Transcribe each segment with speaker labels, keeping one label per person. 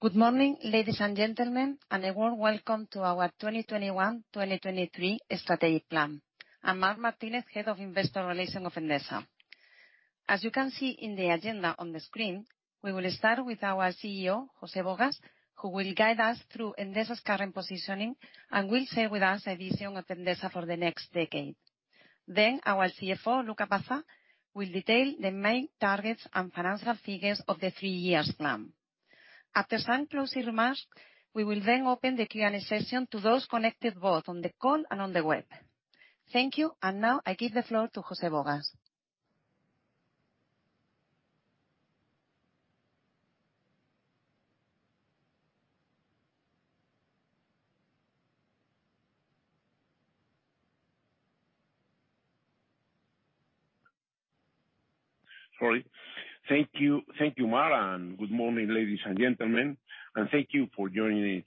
Speaker 1: Good morning, ladies and gentlemen, and a warm welcome to our 2021-2023 strategic plan. I'm Mar Martínez, Head of Investor Relations of Endesa. As you can see in the agenda on the screen, we will start with our CEO, José Bogas, who will guide us through Endesa's current positioning and will share with us a vision of Endesa for the next decade. Then, our CFO, Luca Passa, will detail the main targets and financial figures of the three-year plan. After some closing remarks, we will then open the Q&A session to those connected both on the call and on the web. Thank you, and now I give the floor to José Bogas.
Speaker 2: Sorry. Thank you, Mar, and good morning, ladies and gentlemen, and thank you for joining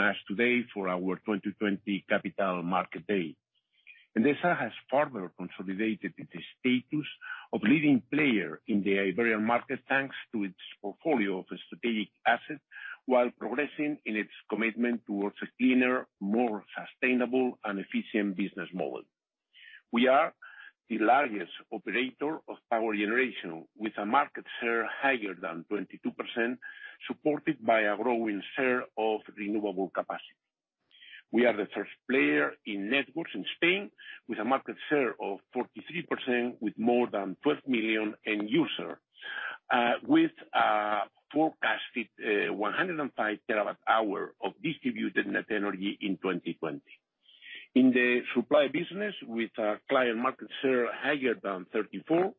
Speaker 2: us today for our 2020 Capital Market Day. Endesa has further consolidated its status of leading player in the Iberian market thanks to its portfolio of strategic assets while progressing in its commitment towards a cleaner, more sustainable, and efficient business model. We are the largest operator of power generation, with a market share higher than 22%, supported by a growing share of renewable capacity. We are the first player in networks in Spain, with a market share of 43%, with more than 12 million end users, with a forecasted 105 TWh of distributed net energy in 2020. In the supply business, with a client market share higher than 34%,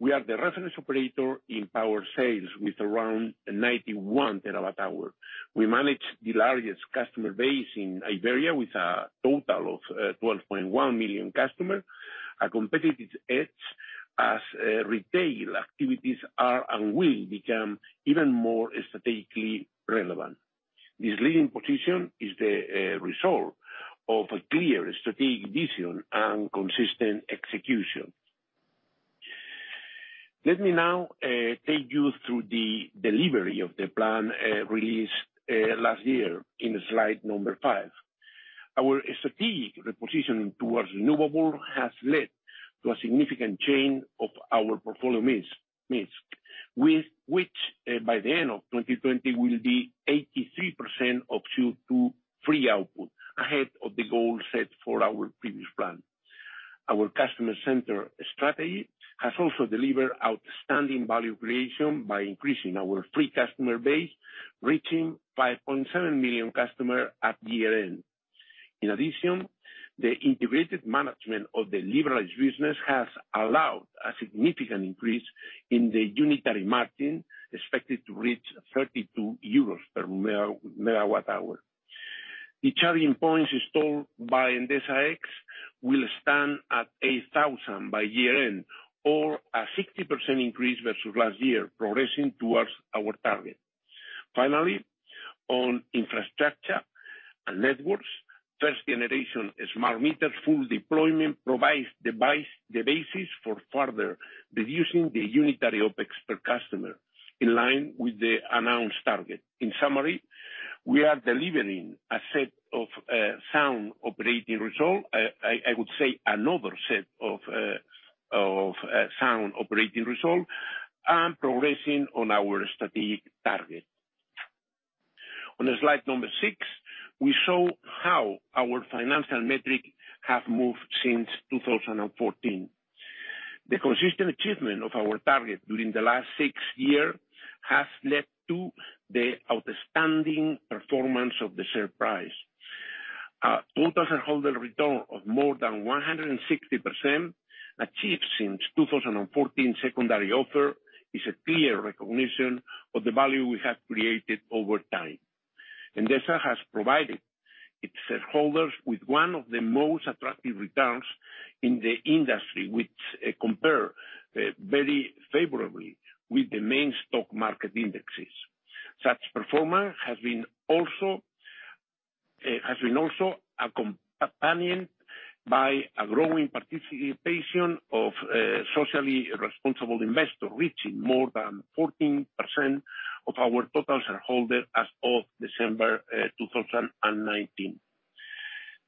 Speaker 2: we are the reference operator in power sales, with around 91 TWh. We manage the largest customer base in Iberia, with a total of 12.1 million customers, a competitive edge as retail activities are and will become even more strategically relevant. This leading position is the result of a clear strategic vision and consistent execution. Let me now take you through the delivery of the plan released last year in slide number five. Our strategic repositioning towards renewable has led to a significant change of our portfolio mix, with which, by the end of 2020, we will be 83% of CO2-free output, ahead of the goal set for our previous plan. Our customer center strategy has also delivered outstanding value creation by increasing our free customer base, reaching 5.7 million customers at year-end. In addition, the integrated management of the liberalized business has allowed a significant increase in the unitary margin, expected to reach 32 euros per MWh. The charging points installed by Endesa X will stand at 8,000 by year-end, or a 60% increase versus last year, progressing towards our target. Finally, on infrastructure and networks, first-generation smart meter full deployment provides the basis for further reducing the unitary OPEX per customer, in line with the announced target. In summary, we are delivering a set of sound operating results. I would say another set of sound operating results, and progressing on our strategic target. On slide number six, we show how our financial metrics have moved since 2014. The consistent achievement of our target during the last six years has led to the outstanding performance of the share price. Total shareholder return of more than 160% achieved since 2014 secondary offer is a clear recognition of the value we have created over time. Endesa has provided its shareholders with one of the most attractive returns in the industry, which compares very favorably with the main stock market indexes. Such performance has been also accompanied by a growing participation of socially responsible investors, reaching more than 14% of our total shareholders as of December 2019.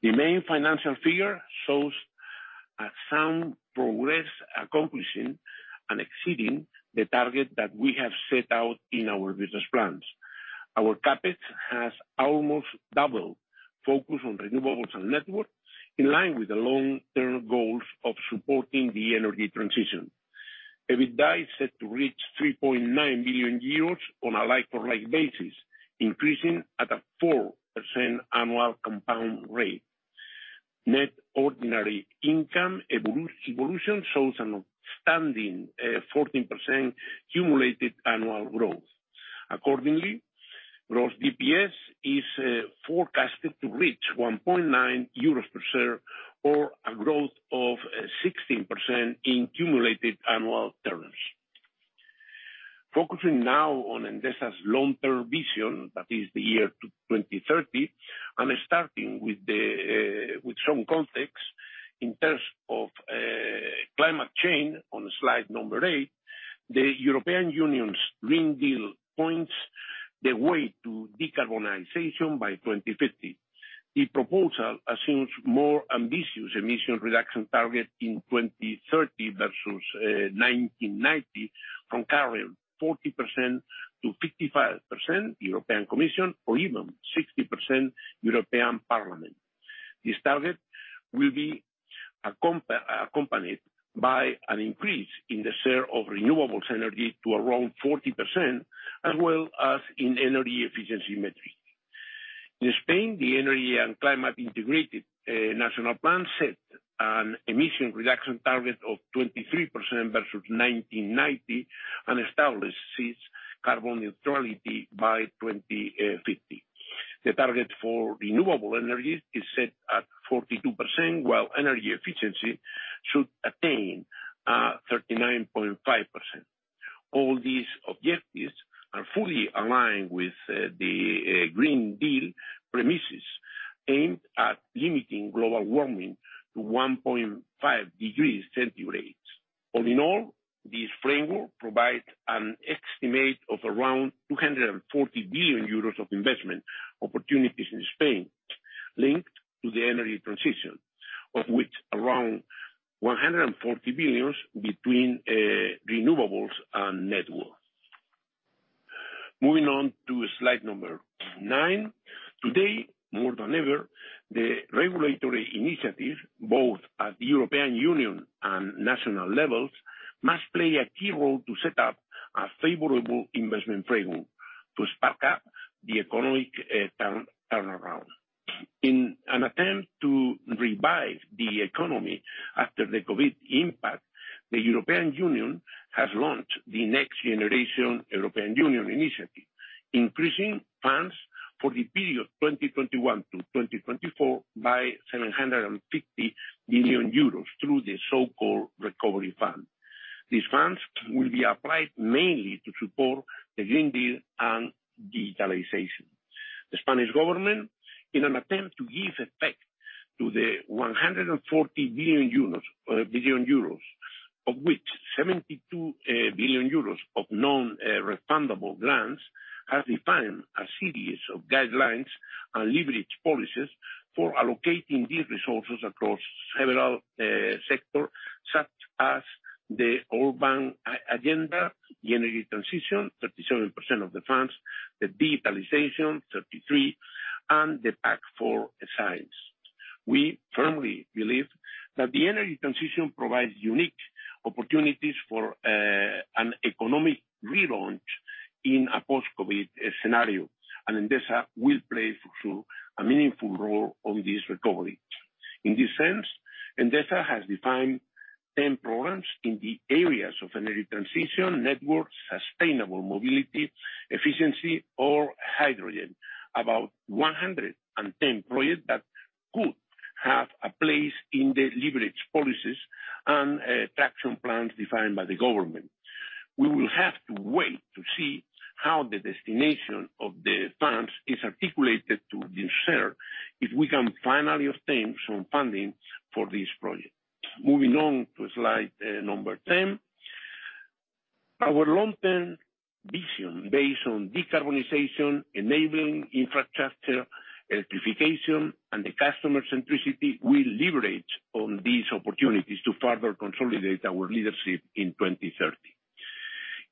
Speaker 2: The main financial figure shows a sound progress, accomplishing and exceeding the target that we have set out in our business plans. Our CapEx has almost doubled, focused on renewables and networks, in line with the long-term goals of supporting the energy transition. EBITDA is set to reach 3.9 billion euros on a like-for-like basis, increasing at a 4% annual compound rate. Net ordinary income evolution shows an outstanding 14% cumulated annual growth. Accordingly, gross DPS is forecasted to reach 1.9 euros per share, or a growth of 16% in cumulated annual terms. Focusing now on Endesa's long-term vision, that is the year 2030, and starting with some context in terms of climate change on slide number eight, the European Union's Green Deal points the way to decarbonization by 2050. The proposal assumes more ambitious emission reduction targets in 2030 versus 1990, from current 40% to 55% European Commission, or even 60% European Parliament. This target will be accompanied by an increase in the share of renewable energy to around 40%, as well as in energy efficiency metrics. In Spain, the Integrated National Energy and Climate Plan sets an emission reduction target of 23% versus 1990, and establishes carbon neutrality by 2050. The target for renewable energy is set at 42%, while energy efficiency should attain 39.5%. All these objectives are fully aligned with the Green Deal premises, aimed at limiting global warming to 1.5 degrees centigrade. All in all, this framework provides an estimate of around 240 billion euros of investment opportunities in Spain, linked to the energy transition, of which around 140 billion between renewables and networks. Moving on to slide number nine, today, more than ever, the regulatory initiative, both at the European Union and national levels, must play a key role to set up a favorable investment framework to spark up the economic turnaround. In an attempt to revive the economy after the COVID impact, the European Union has launched the Next Generation EU Initiative, increasing funds for the period 2021 to 2024 by 750 billion euros through the so-called Recovery Fund. These funds will be applied mainly to support the Green Deal and digitalization. The Spanish government, in an attempt to give effect to the 140 billion euros, of which 72 billion euros of non-refundable grants, has defined a series of guidelines and leverage policies for allocating these resources across several sectors, such as the Urban Agenda, the Energy Transition, 37% of the funds, the Digitalization, 33%, and the Pact for Science. We firmly believe that the energy transition provides unique opportunities for an economic relaunch in a post-COVID scenario, and Endesa will play a meaningful role in this recovery. In this sense, Endesa has defined 10 programs in the areas of energy transition, networks, sustainable mobility, efficiency, or hydrogen, about 110 projects that could have a place in the leverage policies and traction plans defined by the government. We will have to wait to see how the destination of the funds is articulated to the share if we can finally obtain some funding for these projects. Moving on to slide number 10, our long-term vision based on decarbonization, enabling infrastructure, electrification, and the customer centricity will leverage on these opportunities to further consolidate our leadership in 2030.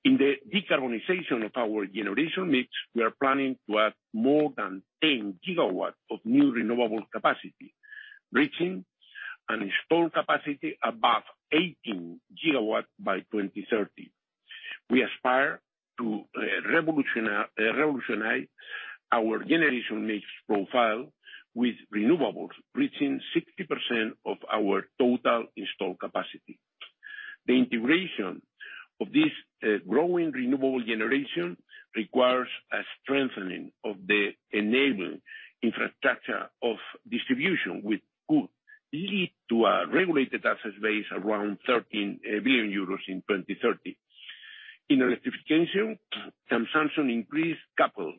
Speaker 2: In the decarbonization of our generation mix, we are planning to add more than 10 GW of new renewable capacity, reaching an installed capacity above 18 GW by 2030. We aspire to revolutionize our generation mix profile with renewables, reaching 60% of our total installed capacity. The integration of this growing renewable generation requires a strengthening of the enabling infrastructure of distribution, which could lead to a regulated asset base around 13 billion euros in 2030. In electrification, consumption increases coupled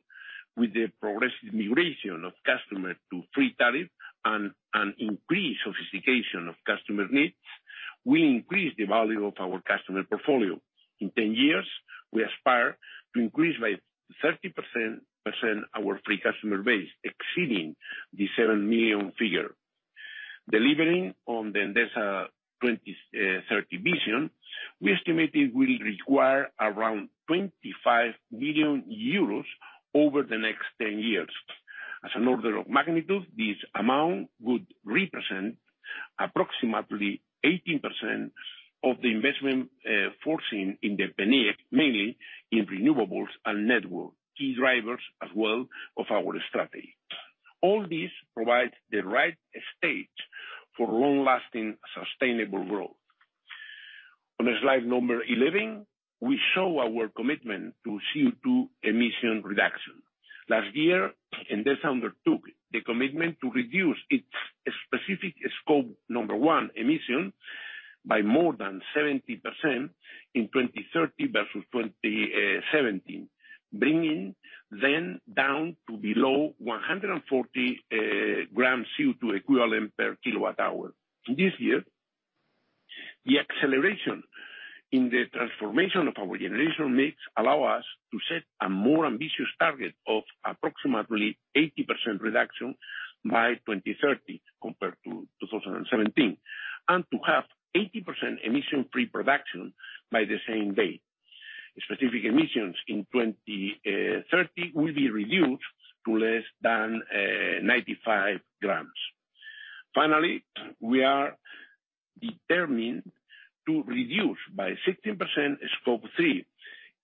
Speaker 2: with the progressive migration of customers to free tariff and an increased sophistication of customer needs will increase the value of our customer portfolio. In 10 years, we aspire to increase by 30% our free customer base, exceeding the seven million figure. Delivering on the Endesa 2030 vision, we estimate it will require around 25 million euros over the next 10 years. As an order of magnitude, this amount would represent approximately 18% of the investment foreseen in the PNIEC, mainly in renewables and networks, key drivers as well as of our strategy. All this provides the right stage for long-lasting sustainable growth. On slide number 11, we show our commitment to CO2 emission reduction. Last year, Endesa undertook the commitment to reduce its specific Scope 1 emissions by more than 70% in 2030 versus 2017, bringing them down to below 140 grams CO2 equivalent per kWh. This year, the acceleration in the transformation of our generation mix allows us to set a more ambitious target of approximately 80% reduction by 2030 compared to 2017, and to have 80% emission-free production by the same date. Specific emissions in 2030 will be reduced to less than 95 grams. Finally, we are determined to reduce by 16% Scope 3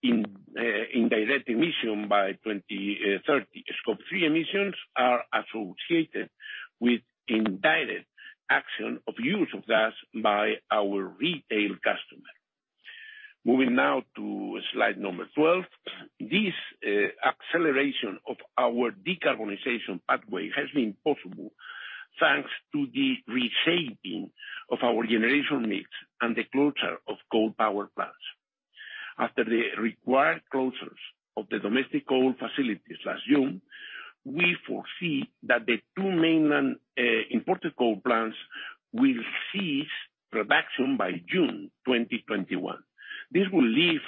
Speaker 2: indirect emissions by 2030. Scope 3 emissions are associated with the indirect use of gas by our retail customers. Moving now to slide number 12, this acceleration of our decarbonization pathway has been possible thanks to the reshaping of our generation mix and the closure of coal power plants. After the required closures of the domestic coal facilities last June, we foresee that the two mainland imported coal plants will cease production by June 2021. This will leave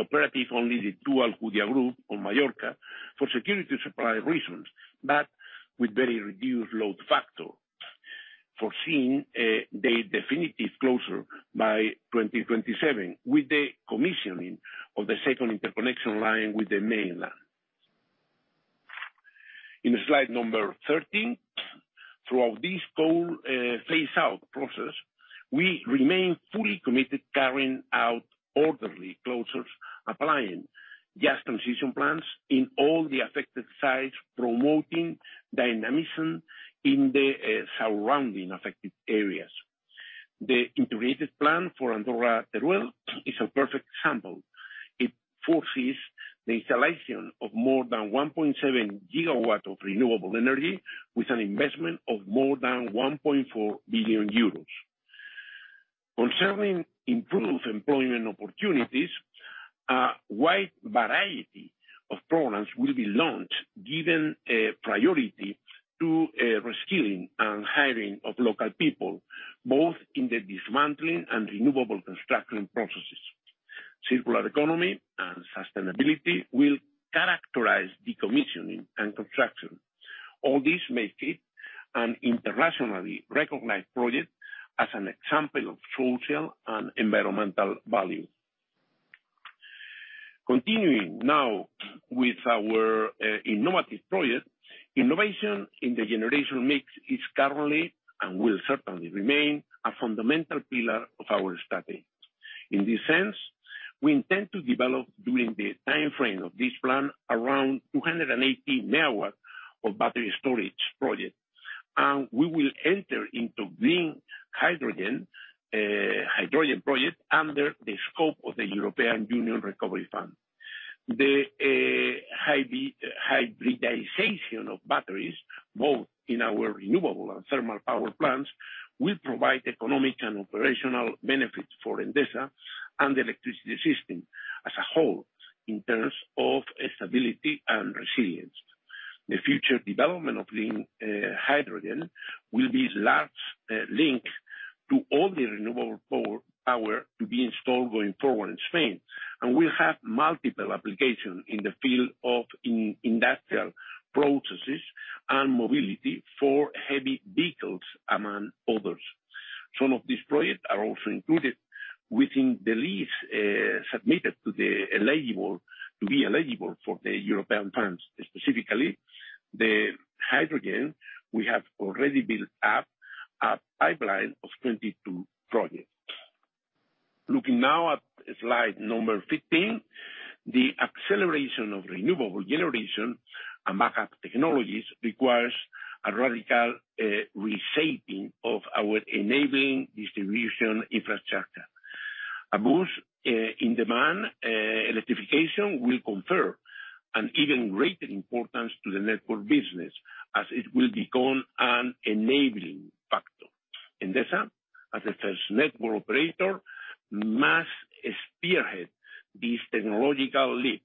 Speaker 2: operative only the two Alcúdia groups on Mallorca for security supply reasons, but with very reduced load factor, foreseeing the definitive closure by 2027 with the commissioning of the second interconnection line with the mainland. In slide number 13, throughout this coal phase-out process, we remain fully committed carrying out orderly closures, applying gas transition plants in all the affected sites, promoting dynamism in the surrounding affected areas. The integrated plan for Andorra, Teruel is a perfect example. It forces the installation of more than 1.7 GW of renewable energy with an investment of more than 1.4 billion euros. Concerning improved employment opportunities, a wide variety of programs will be launched, given priority to reskilling and hiring of local people, both in the dismantling and renewable construction processes. Circular economy and sustainability will characterize decommissioning and construction. All this makes it an internationally recognized project as an example of social and environmental value. Continuing now with our innovative project, innovation in the generation mix is currently and will certainly remain a fundamental pillar of our strategy. In this sense, we intend to develop, during the timeframe of this plan, around 280 MW of battery storage projects, and we will enter into green hydrogen projects under the scope of the European Union Recovery Fund. The hybridization of batteries, both in our renewable and thermal power plants, will provide economic and operational benefits for Endesa and the electricity system as a whole in terms of stability and resilience. The future development of green hydrogen will be largely linked to all the renewable power to be installed going forward in Spain, and will have multiple applications in the field of industrial processes and mobility for heavy vehicles, among others. Some of these projects are also included within the list submitted to be eligible for the European funds. Specifically, the hydrogen, we have already built up a pipeline of 22 projects. Looking now at slide number 15, the acceleration of renewable generation and backup technologies requires a radical reshaping of our enabling distribution infrastructure. A boost in demand electrification will confer an even greater importance to the network business, as it will become an enabling factor. Endesa, as the first network operator, must spearhead this technological leap,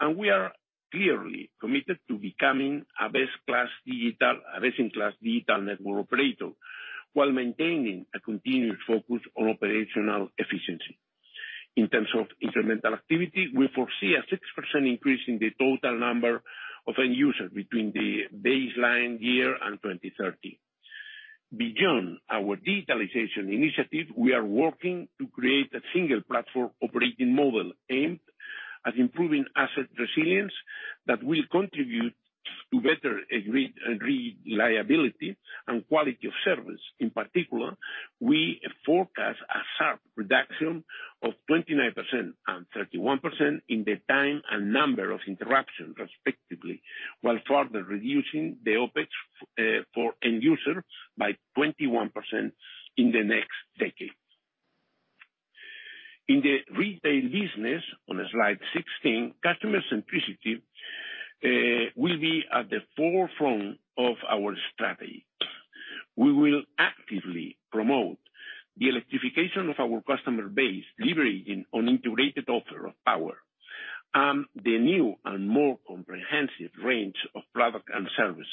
Speaker 2: and we are clearly committed to becoming a best-in-class digital network operator while maintaining a continuous focus on operational efficiency. In terms of incremental activity, we foresee a 6% increase in the total number of end users between the baseline year and 2030. Beyond our digitalization initiative, we are working to create a single platform operating model aimed at improving asset resilience that will contribute to better reliability and quality of service. In particular, we forecast a sharp reduction of 29% and 31% in the time and number of interruptions, respectively, while further reducing the OPEX for end users by 21% in the next decade. In the retail business, on slide 16, customer centricity will be at the forefront of our strategy. We will actively promote the electrification of our customer base, leveraging an integrated offer of power, and the new and more comprehensive range of products and services.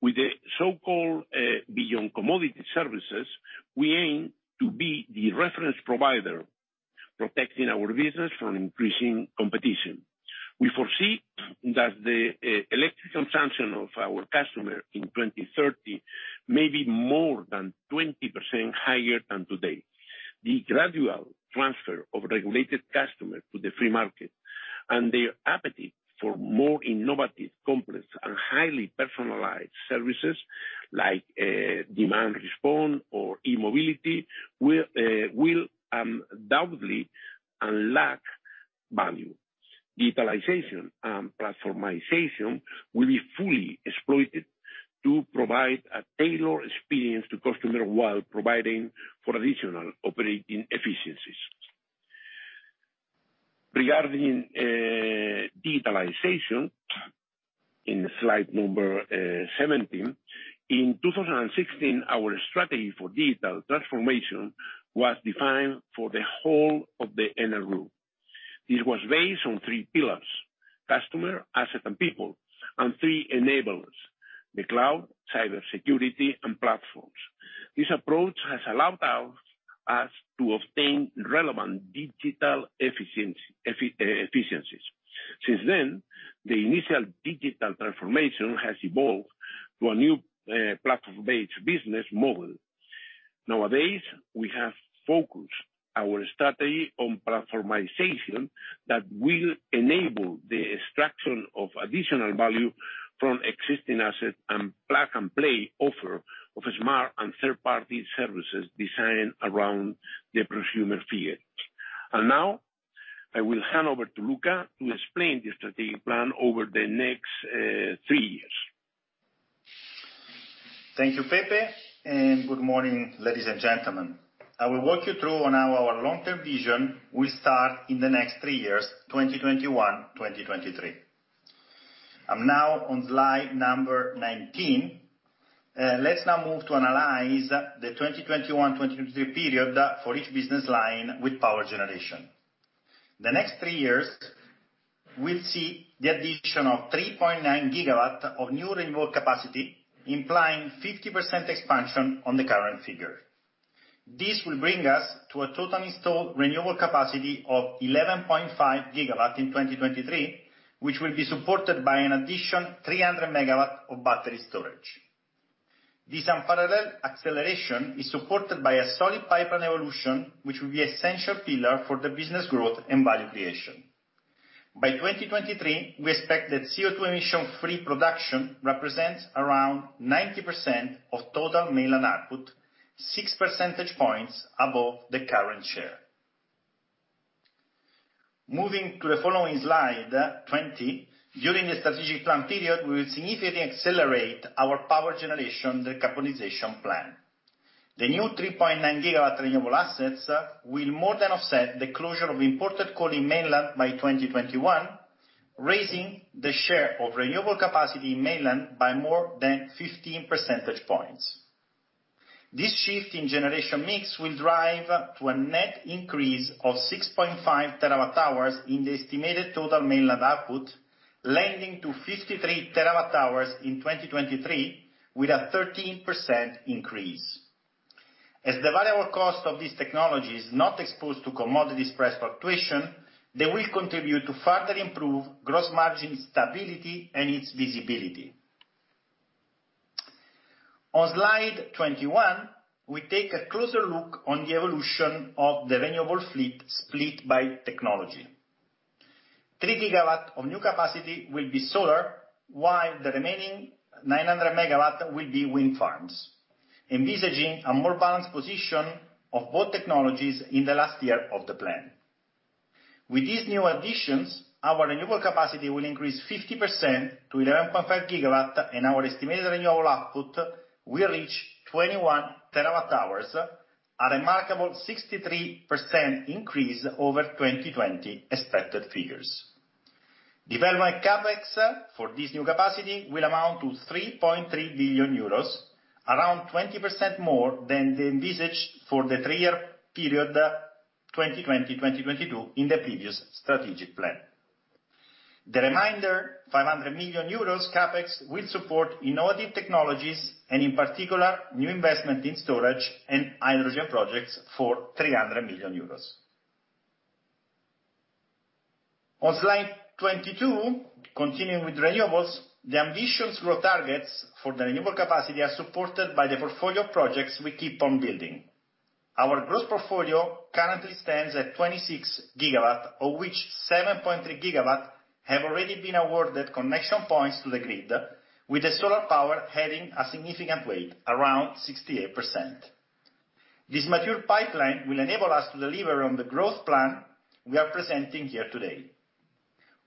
Speaker 2: With the so-called beyond commodity services, we aim to be the reference provider, protecting our business from increasing competition. We foresee that the electric consumption of our customers in 2030 may be more than 20% higher than today. The gradual transfer of regulated customers to the free market and their appetite for more innovative, complex, and highly personalized services like demand response or e-mobility will undoubtedly unlock value. Digitalization and platformization will be fully exploited to provide a tailored experience to customers while providing for additional operating efficiencies. Regarding digitalization, in slide number 17, in 2016, our strategy for digital transformation was defined for the whole of the energy group. This was based on three pillars: customer, asset, and people, and three enablers: the cloud, cybersecurity, and platforms. This approach has allowed us to obtain relevant digital efficiencies. Since then, the initial digital transformation has evolved to a new platform-based business model. Nowadays, we have focused our strategy on platformization that will enable the extraction of additional value from existing assets and plug-and-play offer of smart and third-party services designed around the prosumer field. And now, I will hand over to Luca to explain the strategic plan over the next three years.
Speaker 3: Thank you, Pepe, and good morning, ladies and gentlemen. I will walk you through now our long-term vision. We start in the next three years, 2021-2023. I'm now on slide number 19. Let's now move to analyze the 2021-2023 period for each business line with power generation. The next three years, we'll see the addition of 3.9 GW of new renewable capacity, implying 50% expansion on the current figure. This will bring us to a total installed renewable capacity of 11.5 GW in 2023, which will be supported by an additional 300 MW of battery storage. This unparalleled acceleration is supported by a solid pipeline evolution, which will be an essential pillar for the business growth and value creation. By 2023, we expect that CO2 emission-free production represents around 90% of total mainland output, six percentage points above the current share. Moving to the following slide 20, during the strategic plan period, we will significantly accelerate our power generation decarbonization plan. The new 3.9 GW renewable assets will more than offset the closure of imported coal in mainland by 2021, raising the share of renewable capacity in mainland by more than 15 percentage points. This shift in generation mix will drive to a net increase of 6.5 TWh in the estimated total mainland output, landing to 53 TWh in 2023, with a 13% increase. As the variable cost of these technologies is not exposed to commodity price fluctuation, they will contribute to further improved gross margin stability and its visibility. On slide 21, we take a closer look on the evolution of the renewable fleet split by technology. Three gigawatts of new capacity will be solar, while the remaining 900 MW will be wind farms, envisaging a more balanced position of both technologies in the last year of the plan. With these new additions, our renewable capacity will increase 50% to 11.5 GW, and our estimated renewable output will reach 21 TWh, a remarkable 63% increase over 2020 expected figures. Development CapEx for this new capacity will amount to 3.3 billion euros, around 20% more than the envisaged for the three-year period 2020-2022 in the previous strategic plan. The remainder 500 million euros CapEx will support innovative technologies and, in particular, new investment in storage and hydrogen projects for 300 million euros. On slide 22, continuing with renewables, the ambition's growth targets for the renewable capacity are supported by the portfolio of projects we keep on building. Our gross portfolio currently stands at 26 GW, of which 7.3 GW have already been awarded connection points to the grid, with the solar power having a significant weight, around 68%. This mature pipeline will enable us to deliver on the growth plan we are presenting here today.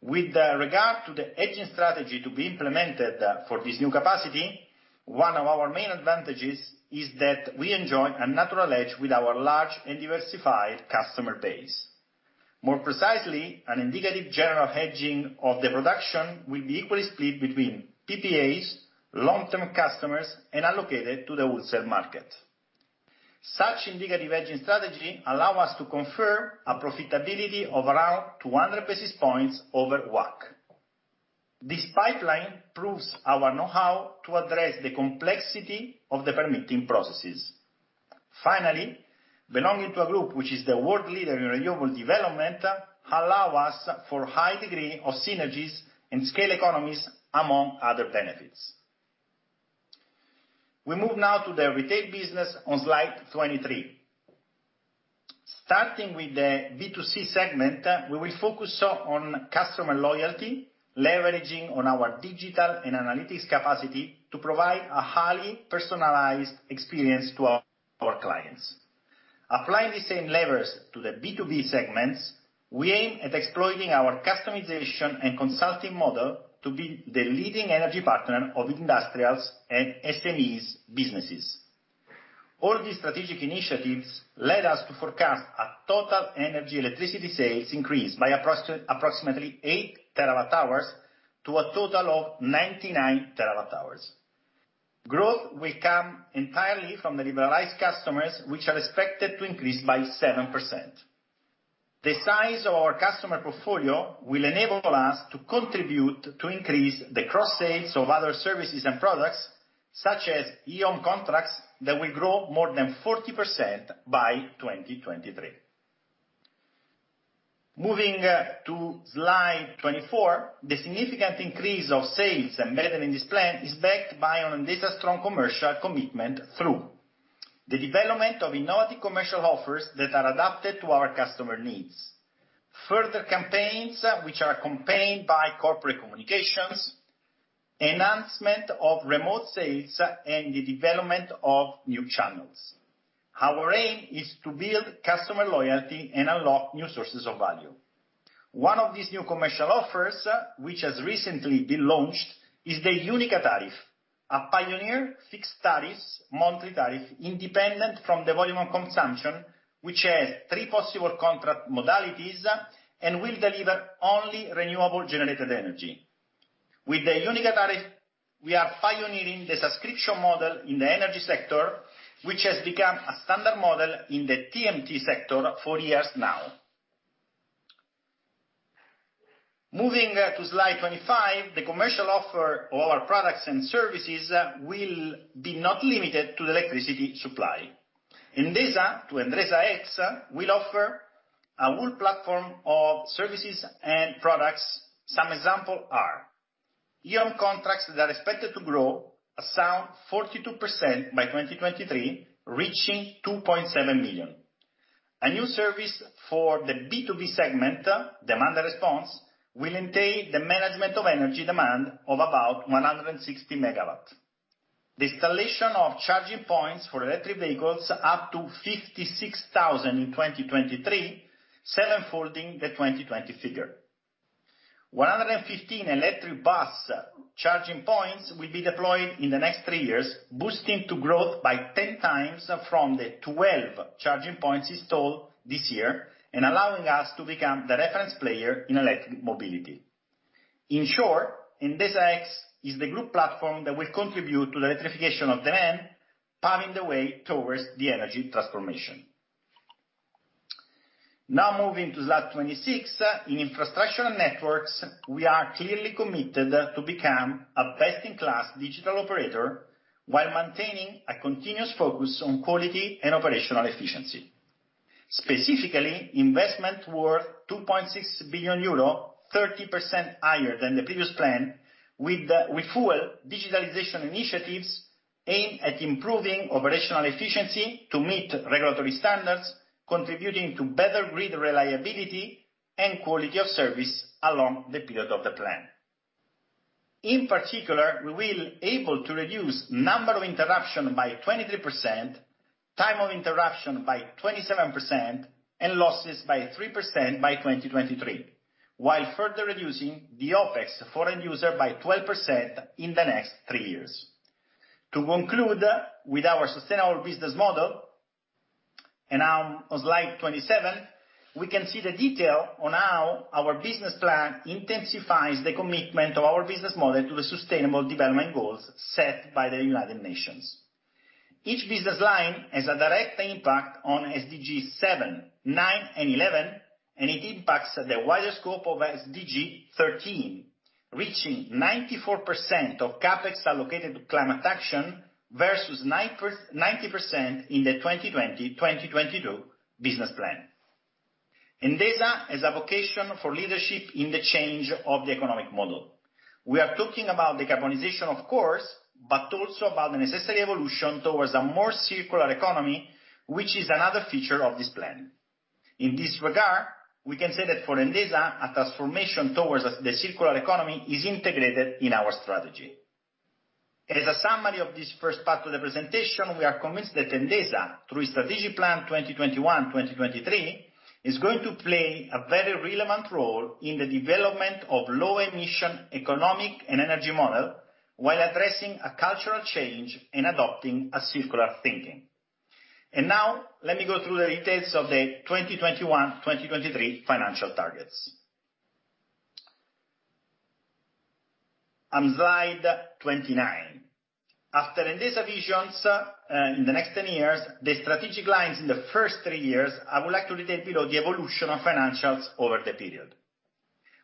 Speaker 3: With regard to the hedging strategy to be implemented for this new capacity, one of our main advantages is that we enjoy a natural edge with our large and diversified customer base. More precisely, an indicative general hedging of the production will be equally split between PPAs, long-term customers, and allocated to the wholesale market. Such indicative hedging strategy allows us to confer a profitability of around 200 basis points over WACC. This pipeline proves our know-how to address the complexity of the permitting processes. Finally, belonging to a group which is the world leader in renewable development allows us for a high degree of synergies and scale economies, among other benefits. We move now to the retail business on slide 23. Starting with the B2C segment, we will focus on customer loyalty, leveraging on our digital and analytics capacity to provide a highly personalized experience to our clients. Applying the same levers to the B2B segments, we aim at exploiting our customization and consulting model to be the leading energy partner of industrials and SMEs businesses. All these strategic initiatives led us to forecast a total energy electricity sales increase by approximately 8 TWh to a total of 99 TWh. Growth will come entirely from the liberalized customers, which are expected to increase by 7%. The size of our customer portfolio will enable us to contribute to increase the cross-sales of other services and products, such as e-Home contracts that will grow more than 40% by 2023. Moving to slide 24, the significant increase of sales embedded in this plan is backed by an Endesa strong commercial commitment through the development of innovative commercial offers that are adapted to our customer needs, further campaigns which are accompanied by corporate communications, enhancement of remote sales, and the development of new channels. Our aim is to build customer loyalty and unlock new sources of value. One of these new commercial offers, which has recently been launched, is the Unica Tariff, a pioneer fixed tariff, monthly tariff independent from the volume of consumption, which has three possible contract modalities and will deliver only renewable-generated energy. With the Unica Tariff, we are pioneering the subscription model in the energy sector, which has become a standard model in the TMT sector for years now. Moving to slide 25, the commercial offer of our products and services will not be limited to the electricity supply. Endesa and Endesa X will offer a whole platform of services and products. Some examples are e-Home contracts that are expected to grow around 42% by 2023, reaching 2.7 million. A new service for the B2B segment, demand response, will entail the management of energy demand of about 160 MW. The installation of charging points for electric vehicles up to 56,000 in 2023, seven-folding the 2020 figure. 115 electric bus charging points will be deployed in the next three years, boosting to growth by 10 times from the 12 charging points installed this year and allowing us to become the reference player in electric mobility. In short, Endesa X is the group platform that will contribute to the electrification of demand, paving the way towards the energy transformation. Now moving to slide 26, in infrastructure and networks, we are clearly committed to become a best-in-class digital operator while maintaining a continuous focus on quality and operational efficiency. Specifically, investment worth 2.6 billion euro, 30% higher than the previous plan, with full digitalization initiatives aimed at improving operational efficiency to meet regulatory standards, contributing to better grid reliability and quality of service along the period of the plan. In particular, we will be able to reduce the number of interruptions by 23%, time of interruption by 27%, and losses by 3% by 2023, while further reducing the OPEX for end user by 12% in the next three years. To conclude with our sustainable business model, and now on slide 27, we can see the detail on how our business plan intensifies the commitment of our business model to the sustainable development goals set by the United Nations. Each business line has a direct impact on SDG 7, 9, and 11, and it impacts the wider scope of SDG 13, reaching 94% of CapEx allocated to climate action versus 90% in the 2020-2022 business plan. Endesa has a vocation for leadership in the change of the economic model. We are talking about decarbonization, of course, but also about the necessary evolution towards a more circular economy, which is another feature of this plan. In this regard, we can say that for Endesa, a transformation towards the circular economy is integrated in our strategy. As a summary of this first part of the presentation, we are convinced that Endesa, through its strategic plan 2021-2023, is going to play a very relevant role in the development of a low-emission economic and energy model while addressing a cultural change and adopting a circular thinking. And now, let me go through the details of the 2021-2023 financial targets. On slide 29, after Endesa's visions in the next 10 years, the strategic lines in the first three years, I would like to retain below the evolution of financials over the period.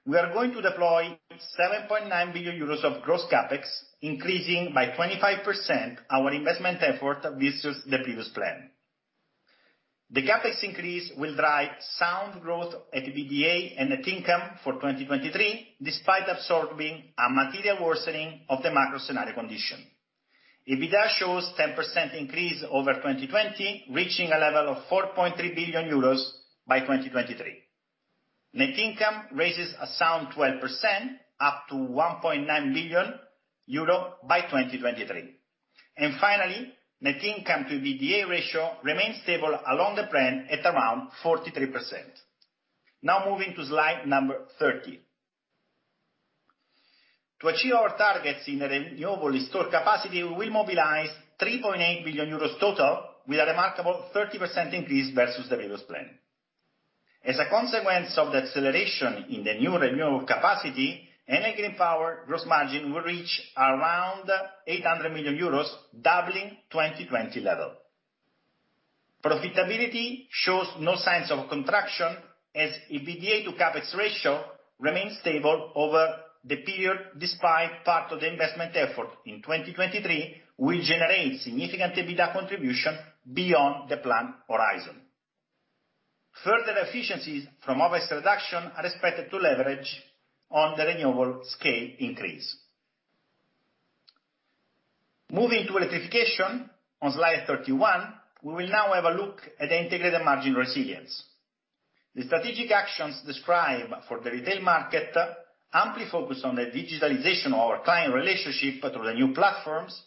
Speaker 3: We are going to deploy 7.9 billion euros of gross CapEx, increasing by 25% our investment effort versus the previous plan. The CapEx increase will drive sound growth at EBITDA and at income for 2023, despite absorbing a material worsening of the macro scenario condition. EBITDA shows a 10% increase over 2020, reaching a level of 4.3 billion euros by 2023. Net income raises a sound 12%, up to 1.9 billion euro by 2023, and finally, net income to EBITDA ratio remains stable along the plan at around 43%. Now moving to slide number 30. To achieve our targets in renewable stored capacity, we will mobilize 3.8 billion euros total, with a remarkable 30% increase versus the previous plan. As a consequence of the acceleration in the new renewable capacity, energy and power gross margin will reach around 800 million euros, doubling the 2020 level. Profitability shows no signs of contraction as EBITDA to CapEx ratio remains stable over the period, despite part of the investment effort in 2023, which generates significant EBITDA contribution beyond the planned horizon. Further efficiencies from OPEX reduction are expected to leverage on the renewable scale increase. Moving to electrification, on slide 31, we will now have a look at the integrated margin resilience. The strategic actions described for the retail market, amply focused on the digitalization of our client relationship through the new platforms,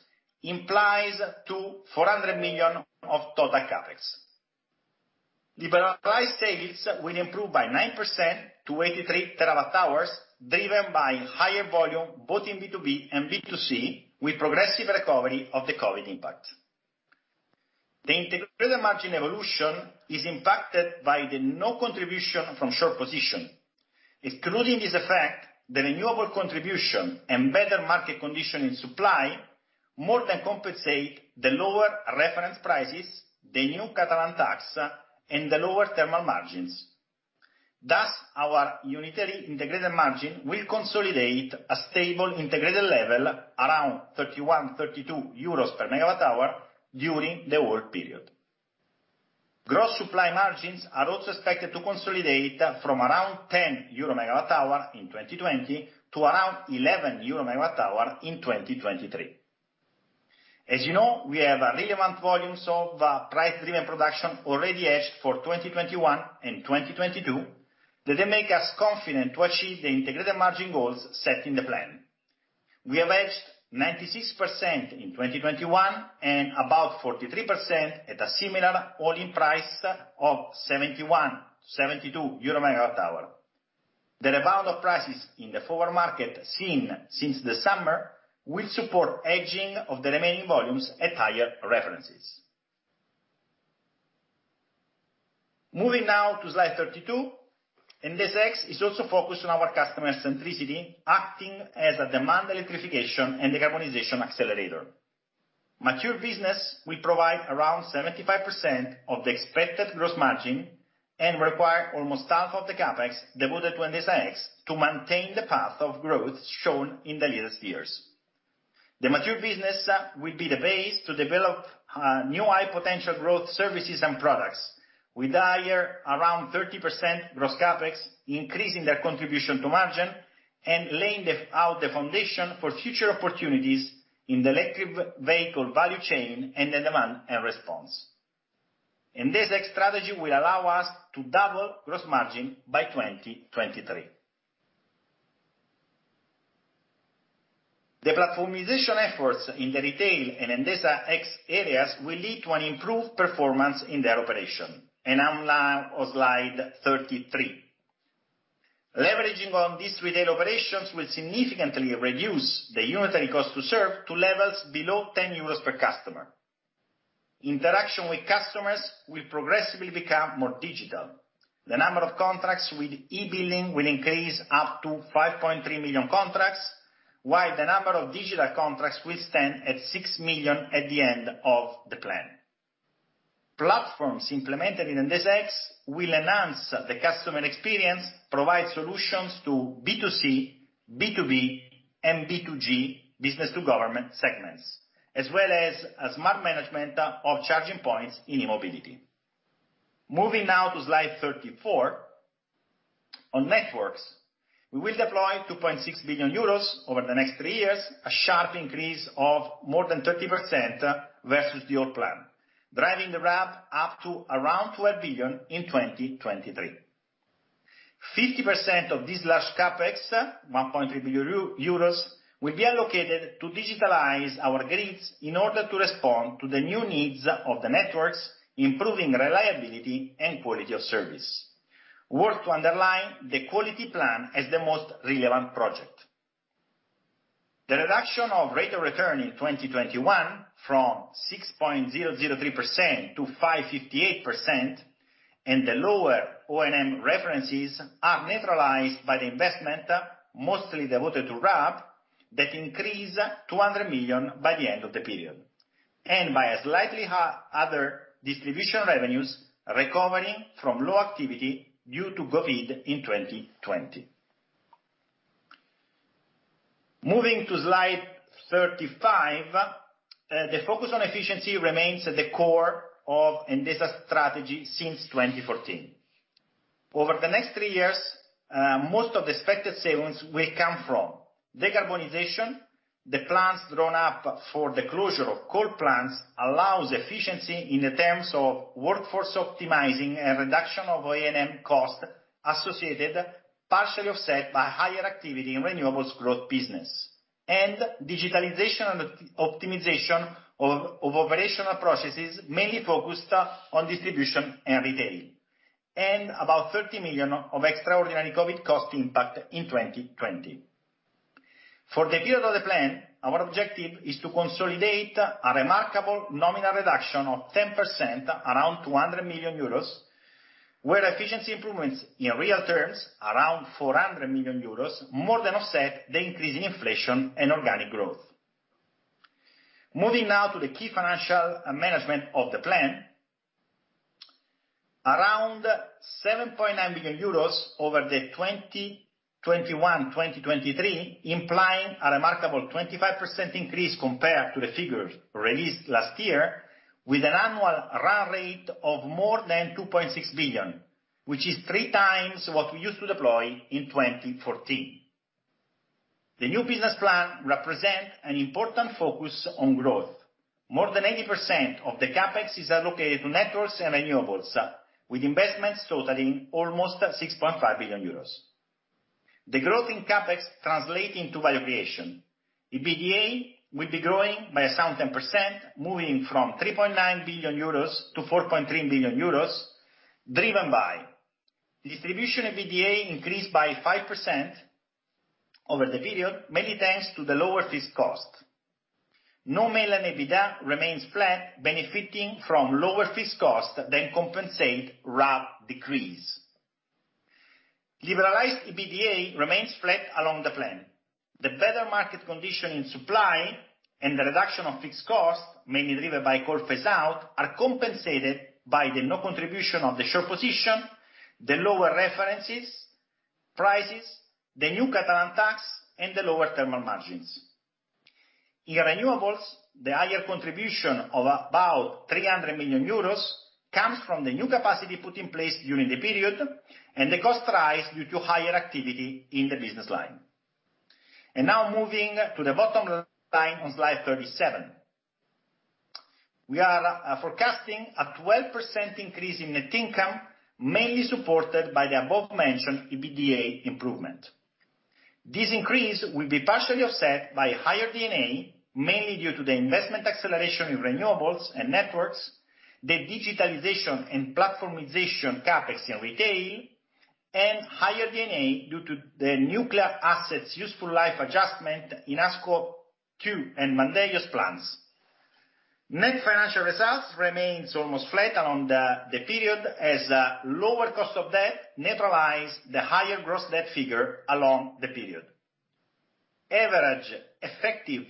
Speaker 3: implies 400 million of total CapEx. Liberalized sales will improve by 9% to 83 TWh, driven by higher volume both in B2B and B2C, with progressive recovery of the COVID impact. The integrated margin evolution is impacted by the no contribution from short position. Excluding this effect, the renewable contribution and better market condition in supply more than compensate the lower reference prices, the new Catalan tax, and the lower thermal margins. Thus, our unitary integrated margin will consolidate a stable integrated level around 31-32 euros per MWh during the whole period. Gross supply margins are also expected to consolidate from around 10 euro MWh in 2020 to around 11 euro MWh in 2023. As you know, we have relevant volumes of price-driven production already hedged for 2021 and 2022 that make us confident to achieve the integrated margin goals set in the plan. We have hedged 96% in 2021 and about 43% at a similar all-in price of 71-72 euro MWh. The rebound of prices in the forward market seen since the summer will support hedging of the remaining volumes at higher references. Moving now to slide 32, Endesa X is also focused on our customer centricity, acting as a demand electrification and decarbonization accelerator. Mature business will provide around 75% of the expected gross margin and require almost half of the CapEx devoted to Endesa X to maintain the path of growth shown in the latest years. The mature business will be the base to develop new high-potential growth services and products, with a higher around 30% gross CapEx increasing their contribution to margin and laying out the foundation for future opportunities in the electric vehicle value chain and the demand response. Endesa X strategy will allow us to double gross margin by 2023. The platformization efforts in the retail and Endesa X areas will lead to an improved performance in their operation, and I'm now on slide 33. Leveraging on these retail operations will significantly reduce the unitary cost to serve to levels below 10 euros per customer. Interaction with customers will progressively become more digital. The number of contracts with e-billing will increase up to 5.3 million contracts, while the number of digital contracts will stand at 6 million at the end of the plan. Platforms implemented in Endesa X will enhance the customer experience, provide solutions to B2C, B2B, and B2G business-to-government segments, as well as a smart management of charging points in e-mobility. Moving now to slide 34, on networks, we will deploy 2.6 billion euros over the next three years, a sharp increase of more than 30% versus the old plan, driving the RAB up to around 12 billion EUR in 2023. 50% of this large CapEx, 1.3 billion euros, will be allocated to digitalize our grids in order to respond to the new needs of the networks, improving reliability and quality of service. It's worth underlining the quality plan as the most relevant project. The reduction of rate of return in 2021 from 6.003% to 5.58% and the lower O&M references are neutralized by the investment mostly devoted to RAB that increased 200 million by the end of the period, and by slightly higher distribution revenues recovering from low activity due to COVID in 2020. Moving to slide 35, the focus on efficiency remains at the core of Endesa's strategy since 2014. Over the next three years, most of the expected savings will come from decarbonization. The plants drawn up for the closure of coal plants allows efficiency in terms of workforce optimizing and reduction of O&M costs associated, partially offset by higher activity in renewables growth business, and digitalization and optimization of operational processes mainly focused on distribution and retail, and about 30 million of extraordinary COVID cost impact in 2020. For the period of the plan, our objective is to consolidate a remarkable nominal reduction of 10%, around 200 million euros, where efficiency improvements in real terms, around 400 million euros, more than offset the increase in inflation and organic growth. Moving now to the key financial management of the plan, around EUR 7.9 billion over the 2021-2023, implying a remarkable 25% increase compared to the figures released last year, with an annual run rate of more than 2.6 billion, which is three times what we used to deploy in 2014. The new business plan represents an important focus on growth. More than 80% of the CapEx is allocated to networks and renewables, with investments totaling almost 6.5 billion euros. The growth in CapEx translates into value creation. EBITDA will be growing by a sound 10%, moving from 3.9 billion euros to 4.3 billion euros, driven by distribution EBITDA increased by 5% over the period, mainly thanks to the lower fixed cost. Non-regulated EBITDA remains flat, benefiting from lower fixed costs that compensate RAB decrease. Liberalized EBITDA remains flat along the plan. The better market condition in supply and the reduction of fixed costs, mainly driven by coal phase-out, are compensated by the non-contribution of the short position, the lower reference prices, the new Catalan tax, and the lower thermal margins. In renewables, the higher contribution of about 300 million euros comes from the new capacity put in place during the period, and the costs rise due to higher activity in the business line, and now moving to the bottom line on slide 37, we are forecasting a 12% increase in net income, mainly supported by the above-mentioned EBITDA improvement. This increase will be partially offset by higher D&A, mainly due to the investment acceleration in renewables and networks, the digitalization and platformization CapEx in retail, and higher D&A due to the nuclear assets' useful life adjustment in Ascó II and Vandellòs plants. Net financial results remain almost flat along the period as the lower cost of debt neutralizes the higher gross debt figure along the period. Average effective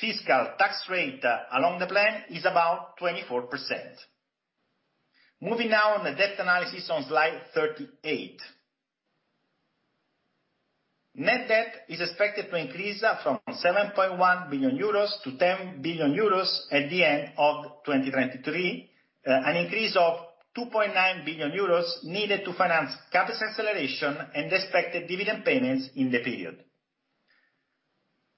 Speaker 3: fiscal tax rate along the plan is about 24%. Moving now on the debt analysis on slide 38. Net debt is expected to increase from 7.1 billion euros to 10 billion euros at the end of 2023, an increase of 2.9 billion euros needed to finance CapEx acceleration and expected dividend payments in the period.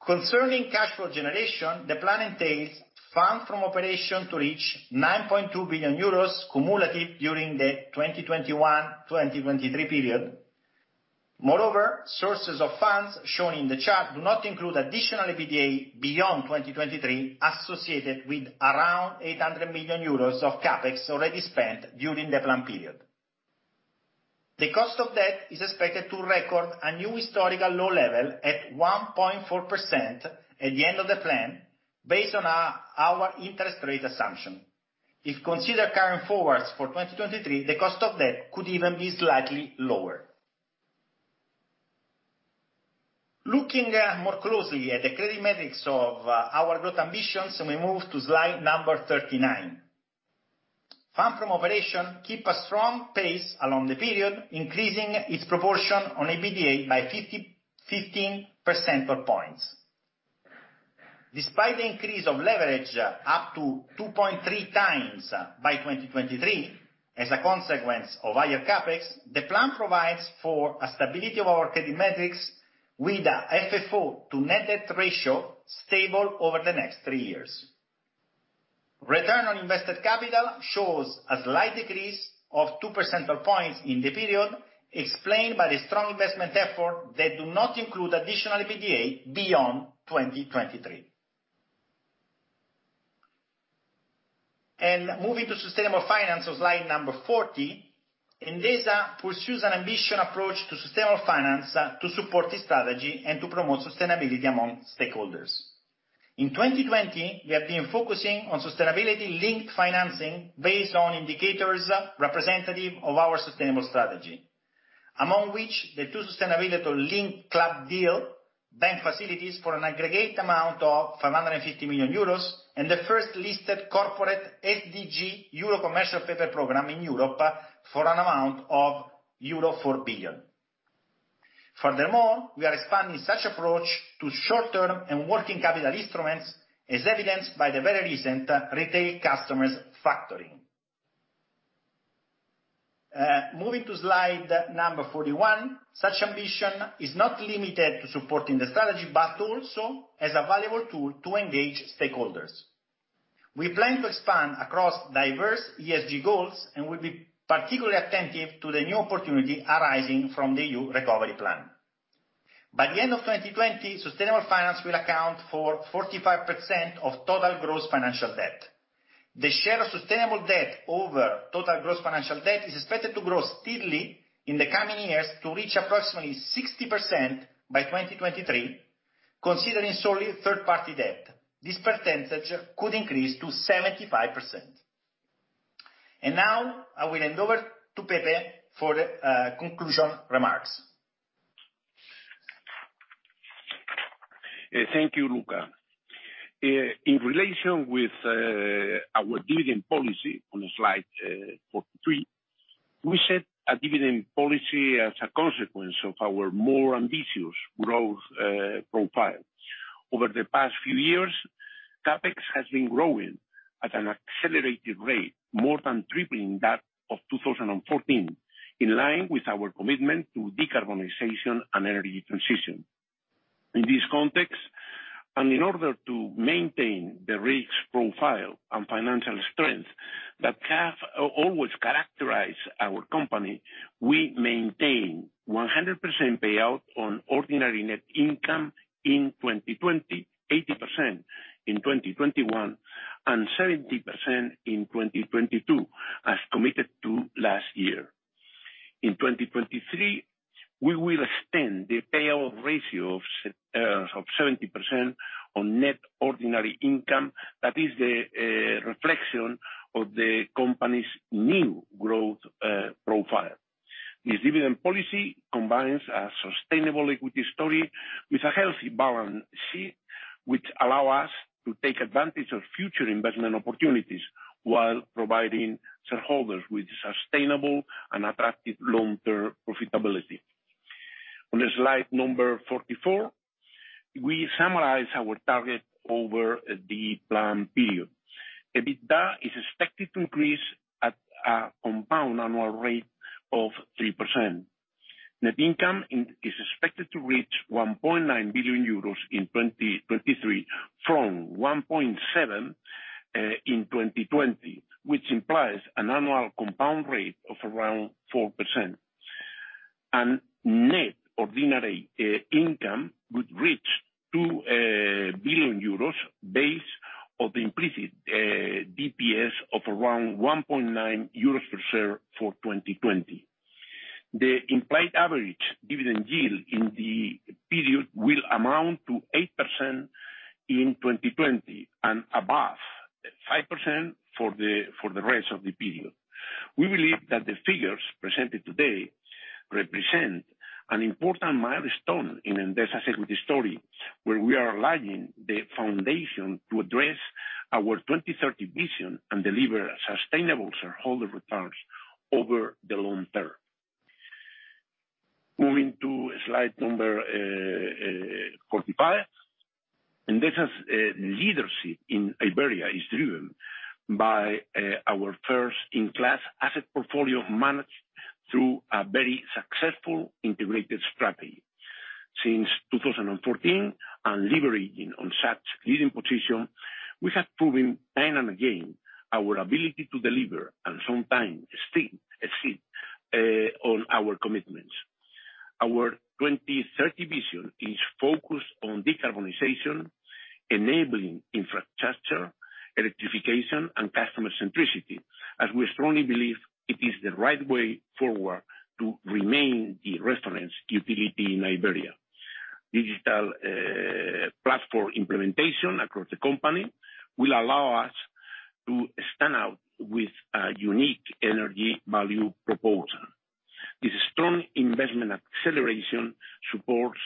Speaker 3: Concerning cash flow generation, the plan entails funds from operations to reach 9.2 billion euros cumulative during the 2021-2023 period. Moreover, sources of funds shown in the chart do not include additional EBITDA beyond 2023, associated with around 800 million euros of CapEx already spent during the plan period. The cost of debt is expected to record a new historical low level at 1.4% at the end of the plan, based on our interest rate assumption. If considered current forwards for 2023, the cost of debt could even be slightly lower. Looking more closely at the credit metrics of our growth ambitions, we move to slide number 39. Funds from operations keep a strong pace along the period, increasing its proportion on EBITDA by 15 percentage points. Despite the increase of leverage up to 2.3 times by 2023, as a consequence of higher CapEx, the plan provides for a stability of our credit metrics with an FFO to net debt ratio stable over the next three years. Return on invested capital shows a slight decrease of 2 percentage points in the period, explained by the strong investment effort that do not include additional EBITDA beyond 2023. Moving to sustainable finance on slide number 40, Endesa pursues an ambitious approach to sustainable finance to support its strategy and to promote sustainability among stakeholders. In 2020, we have been focusing on sustainability-linked financing based on indicators representative of our sustainable strategy, among which the two sustainability-linked club deal bank facilities for an aggregate amount of 550 million euros and the first listed corporate SDG Euro Commercial Paper Program in Europe for an amount of euro 4 billion. Furthermore, we are expanding such approach to short-term and working capital instruments, as evidenced by the very recent retail customers factoring. Moving to slide number 41, such ambition is not limited to supporting the strategy, but also as a valuable tool to engage stakeholders. We plan to expand across diverse ESG goals and will be particularly attentive to the new opportunity arising from the EU Recovery Plan. By the end of 2020, sustainable finance will account for 45% of total gross financial debt. The share of sustainable debt over total gross financial debt is expected to grow steadily in the coming years to reach approximately 60% by 2023, considering solely third-party debt. This percentage could increase to 75%. And now I will hand over to Pepe for the concluding remarks.
Speaker 2: Thank you, Luca. In relation with our dividend policy on slide 43, we set a dividend policy as a consequence of our more ambitious growth profile. Over the past few years, CapEx has been growing at an accelerated rate, more than tripling that of 2014, in line with our commitment to decarbonization and energy transition. In this context, and in order to maintain the risk profile and financial strength that have always characterized our company, we maintain 100% payout on ordinary net income in 2020, 80% in 2021, and 70% in 2022, as committed to last year. In 2023, we will extend the payout ratio of 70% on net ordinary income. That is the reflection of the company's new growth profile. This dividend policy combines a sustainable equity story with a healthy balance sheet, which allows us to take advantage of future investment opportunities while providing shareholders with sustainable and attractive long-term profitability. On slide number 44, we summarize our target over the planned period. EBITDA is expected to increase at a compound annual rate of 3%. Net income is expected to reach 1.9 billion euros in 2023 from 1.7 billion in 2020, which implies an annual compound rate of around 4%. And net ordinary income would reach 2 billion euros based on the implicit DPS of around 1.9 euros per share for 2020. The implied average dividend yield in the period will amount to 8% in 2020 and above 5% for the rest of the period. We believe that the figures presented today represent an important milestone in Endesa's equity story, where we are laying the foundation to address our 2030 vision and deliver sustainable shareholder returns over the long term. Moving to slide number 45, Endesa's leadership in Iberia is driven by our first-in-class asset portfolio managed through a very successful integrated strategy. Since 2014, and leveraging on such leading position, we have proven time and again our ability to deliver and sometimes exceed on our commitments. Our 2030 vision is focused on decarbonization, enabling infrastructure, electrification, and customer centricity, as we strongly believe it is the right way forward to remain the reference utility in Iberia. Digital platform implementation across the company will allow us to stand out with a unique energy value proposition. This strong investment acceleration supports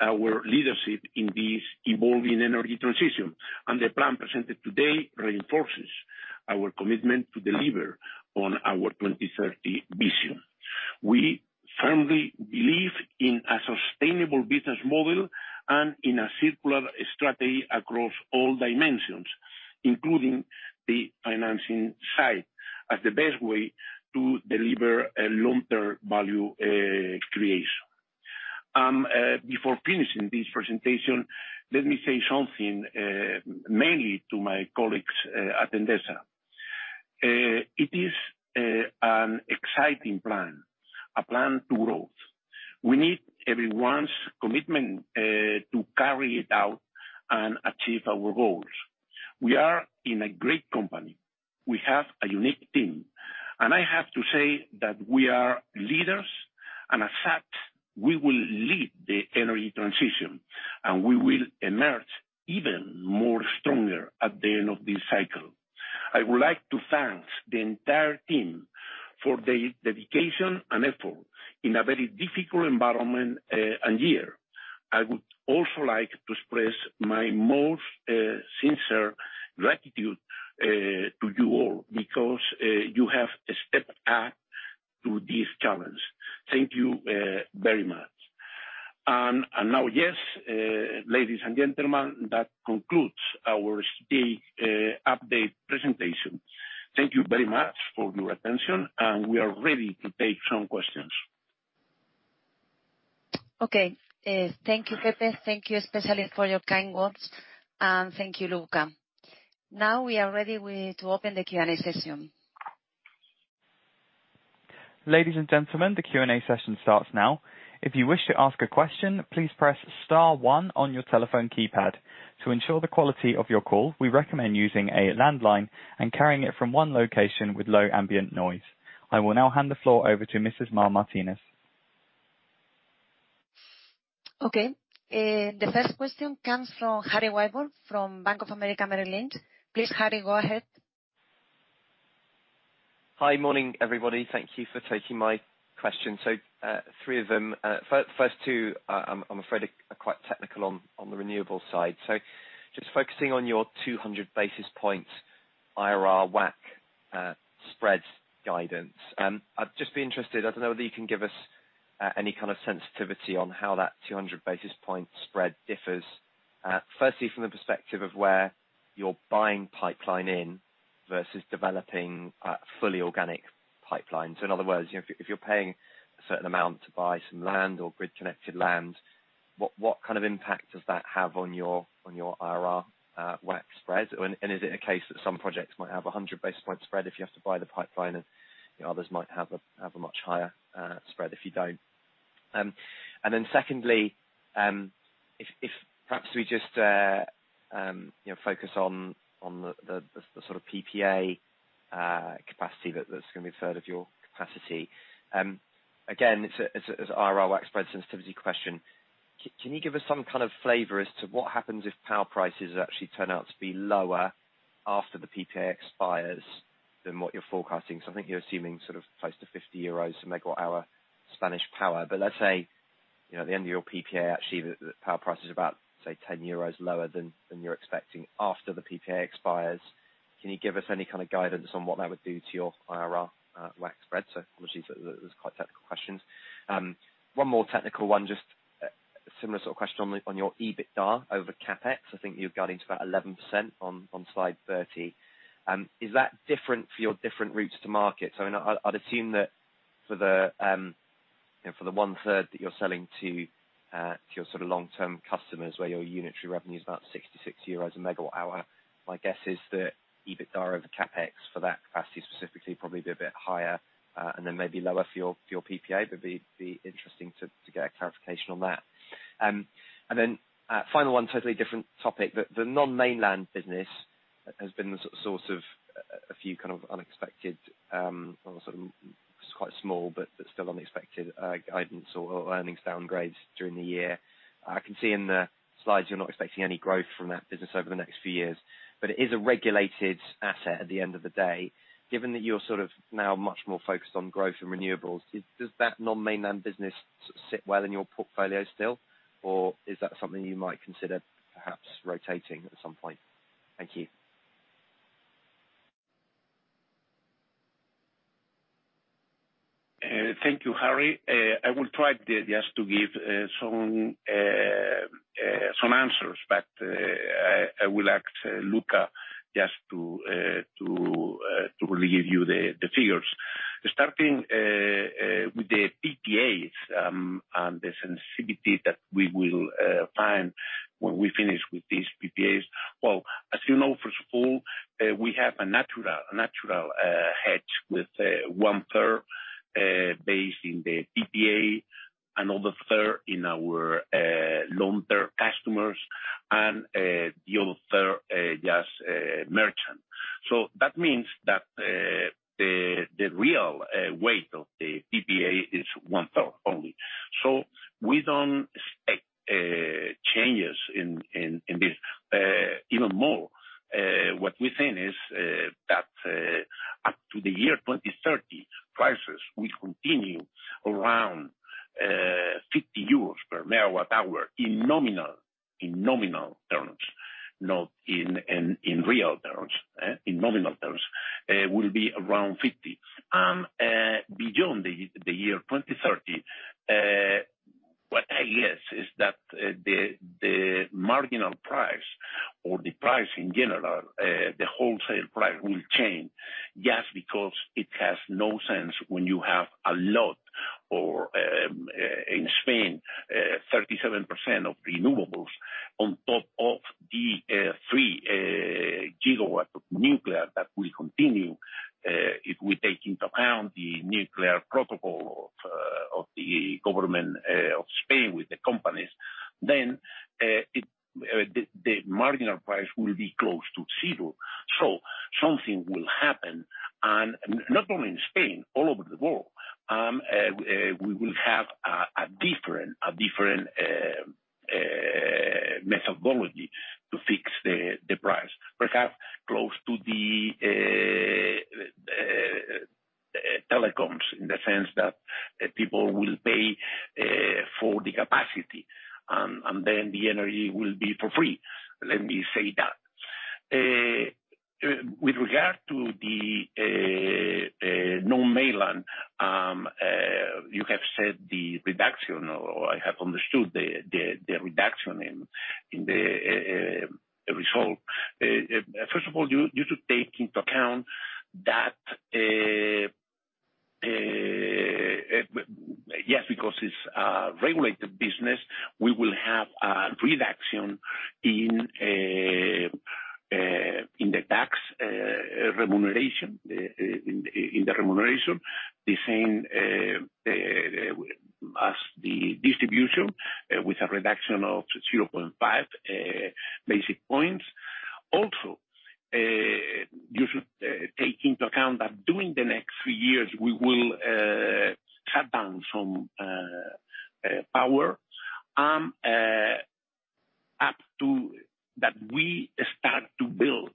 Speaker 2: our leadership in this evolving energy transition, and the plan presented today reinforces our commitment to deliver on our 2030 vision. We firmly believe in a sustainable business model and in a circular strategy across all dimensions, including the financing side, as the best way to deliver a long-term value creation. Before finishing this presentation, let me say something mainly to my colleagues at Endesa. It is an exciting plan, a plan to growth. We need everyone's commitment to carry it out and achieve our goals. We are in a great company. We have a unique team. And I have to say that we are leaders, and as such, we will lead the energy transition, and we will emerge even more stronger at the end of this cycle. I would like to thank the entire team for their dedication and effort in a very difficult environment and year. I would also like to express my most sincere gratitude to you all because you have stepped up to this challenge. Thank you very much. And now, yes, ladies and gentlemen, that concludes our strategic update presentation. Thank you very much for your attention, and we are ready to take some questions.
Speaker 1: Okay. Thank you, Pepe. Thank you especially for your kind words. And thank you, Luca. Now we are ready to open the Q&A session.
Speaker 4: Ladies and gentlemen, the Q&A session starts now. If you wish to ask a question, please press star one on your telephone keypad. To ensure the quality of your call, we recommend using a landline and conducting it from one location with low ambient noise. I will now hand the floor over to Mrs. Mar Martínez. Okay. The first question comes from Harry Wyburd from Bank of America Merrill Lynch. Please, Harry, go ahead.
Speaker 5: Hi, morning, everybody. Thank you for taking my question. So three of them. First two, I'm afraid are quite technical on the renewable side. So just focusing on your 200 basis points IRR WACC spreads guidance. I'd just be interested. I don't know whether you can give us any kind of sensitivity on how that 200 basis point spread differs, firstly from the perspective of where your buying pipeline in versus developing fully organic pipelines. In other words, if you're paying a certain amount to buy some land or grid-connected land, what kind of impact does that have on your IRR WACC spread? Is it a case that some projects might have a 100 basis point spread if you have to buy the pipeline, and others might have a much higher spread if you don't? Then secondly, if perhaps we just focus on the sort of PPA capacity that's going to be referred of your capacity. Again, as an IRR WACC spread sensitivity question, can you give us some kind of flavor as to what happens if power prices actually turn out to be lower after the PPA expires than what you're forecasting? I think you're assuming sort of close to 50 euros a MWh Spanish power. But let's say at the end of your PPA, actually, the power price is about, say, 10 euros lower than you're expecting after the PPA expires. Can you give us any kind of guidance on what that would do to your IRR WACC spread? So obviously, those are quite technical questions. One more technical one, just a similar sort of question on your EBITDA over CapEx. I think you're guiding to about 11% on slide 30. Is that different for your different routes to market? So I'd assume that for the one-third that you're selling to your sort of long-term customers, where your unitary revenue is about 66 euros per MWh, my guess is that EBITDA over CapEx for that capacity specifically probably would be a bit higher and then maybe lower for your PPA. It would be interesting to get a clarification on that. Then final one, totally different topic. The non-mainland business has been the source of a few kind of unexpected sort of quite small, but still unexpected guidance or earnings downgrades during the year. I can see in the slides you're not expecting any growth from that business over the next few years, but it is a regulated asset at the end of the day. Given that you're sort of now much more focused on growth and renewables, does that non-mainland business sit well in your portfolio still, or is that something you might consider perhaps rotating at some point? Thank you.
Speaker 2: Thank you, Harry. I will try just to give some answers, but I will ask Luca just to really give you the figures. Starting with the PPAs and the sensitivity that we will find when we finish with these PPAs. As you know, first of all, we have a natural hedge with one-third based in the PPA and other third in our long-term customers, and the other third just merchant. So that means that the real weight of the PPA is one-third only. So we don't expect changes in this. Even more, what we think is that up to the year 2030, prices will continue around 50 euros per MWh in nominal terms, not in real terms, in nominal terms, will be around 50. And beyond the year 2030, what I guess is that the marginal price or the price in general, the wholesale price, will change just because it has no sense when you have a lot or, in Spain, 37% of renewables on top of the three gigawatts of nuclear that will continue. If we take into account the nuclear protocol of the government of Spain with the companies, then the marginal price will be close to zero. So something will happen, and not only in Spain, all over the world. And we will have a different methodology to fix the price. Perhaps close to the telecoms in the sense that people will pay for the capacity, and then the energy will be for free. Let me say that. With regard to the non-mainland, you have said the reduction, or I have understood the reduction in the result. First of all, you should take into account that, yes, because it's a regulated business, we will have a reduction in the tax remuneration, in the remuneration, the same as the distribution with a reduction of 0.5 basis points. Also, you should take into account that during the next few years, we will shut down some power, and up to that we start to build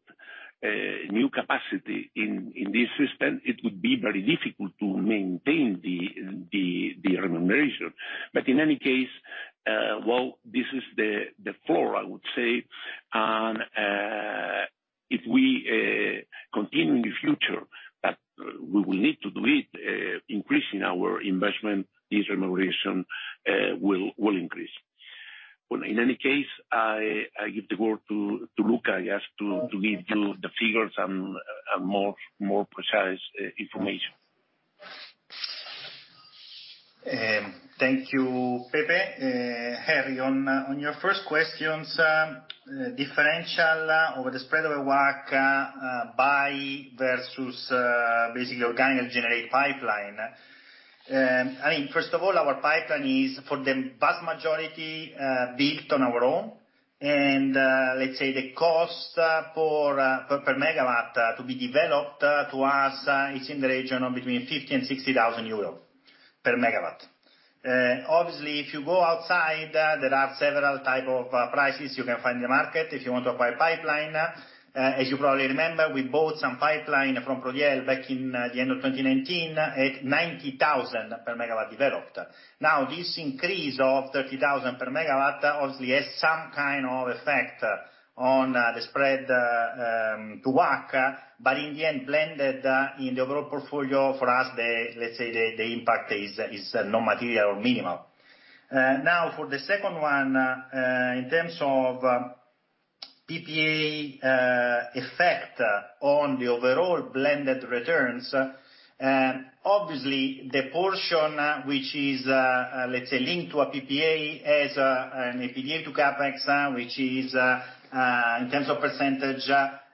Speaker 2: new capacity in this system, it would be very difficult to maintain the remuneration, but in any case, well, this is the floor, I would say, and if we continue in the future, that we will need to do it, increasing our investment, this remuneration will increase. In any case, I give the word to Luca just to give you the figures and more precise information.
Speaker 3: Thank you, Pepe. Harry, on your first questions, differential over the spread of a WACC vs basically organically generated pipeline. I mean, first of all, our pipeline is, for the vast majority, built on our own. Let's say the cost per megawatt to be developed to us is in the region of between 50,000 and 60,000 euros per MW. Obviously, if you go outside, there are several types of prices you can find in the market if you want to acquire pipeline. As you probably remember, we bought some pipeline from Prodiel back in the end of 2019 at 90,000 per MW developed. Now, this increase of 30,000 per MW obviously has some kind of effect on the spread to WACC, but in the end, blended in the overall portfolio for us, let's say the impact is non-material or minimal. Now, for the second one, in terms of PPA effect on the overall blended returns, obviously, the portion which is, let's say, linked to a PPA has an EBITDA to CapEx, which is, in terms of percentage,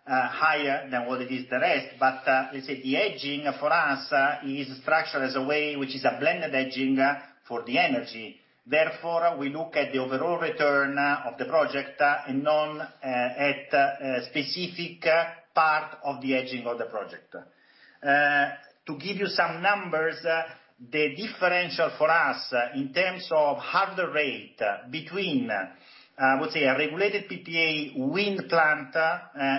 Speaker 3: higher than what it is the rest. But let's say the hedging for us is structured as a way which is a blended hedging for the energy. Therefore, we look at the overall return of the project and not at a specific part of the hedging of the project. To give you some numbers, the differential for us in terms of hurdle rate between, I would say, a regulated PPA wind plant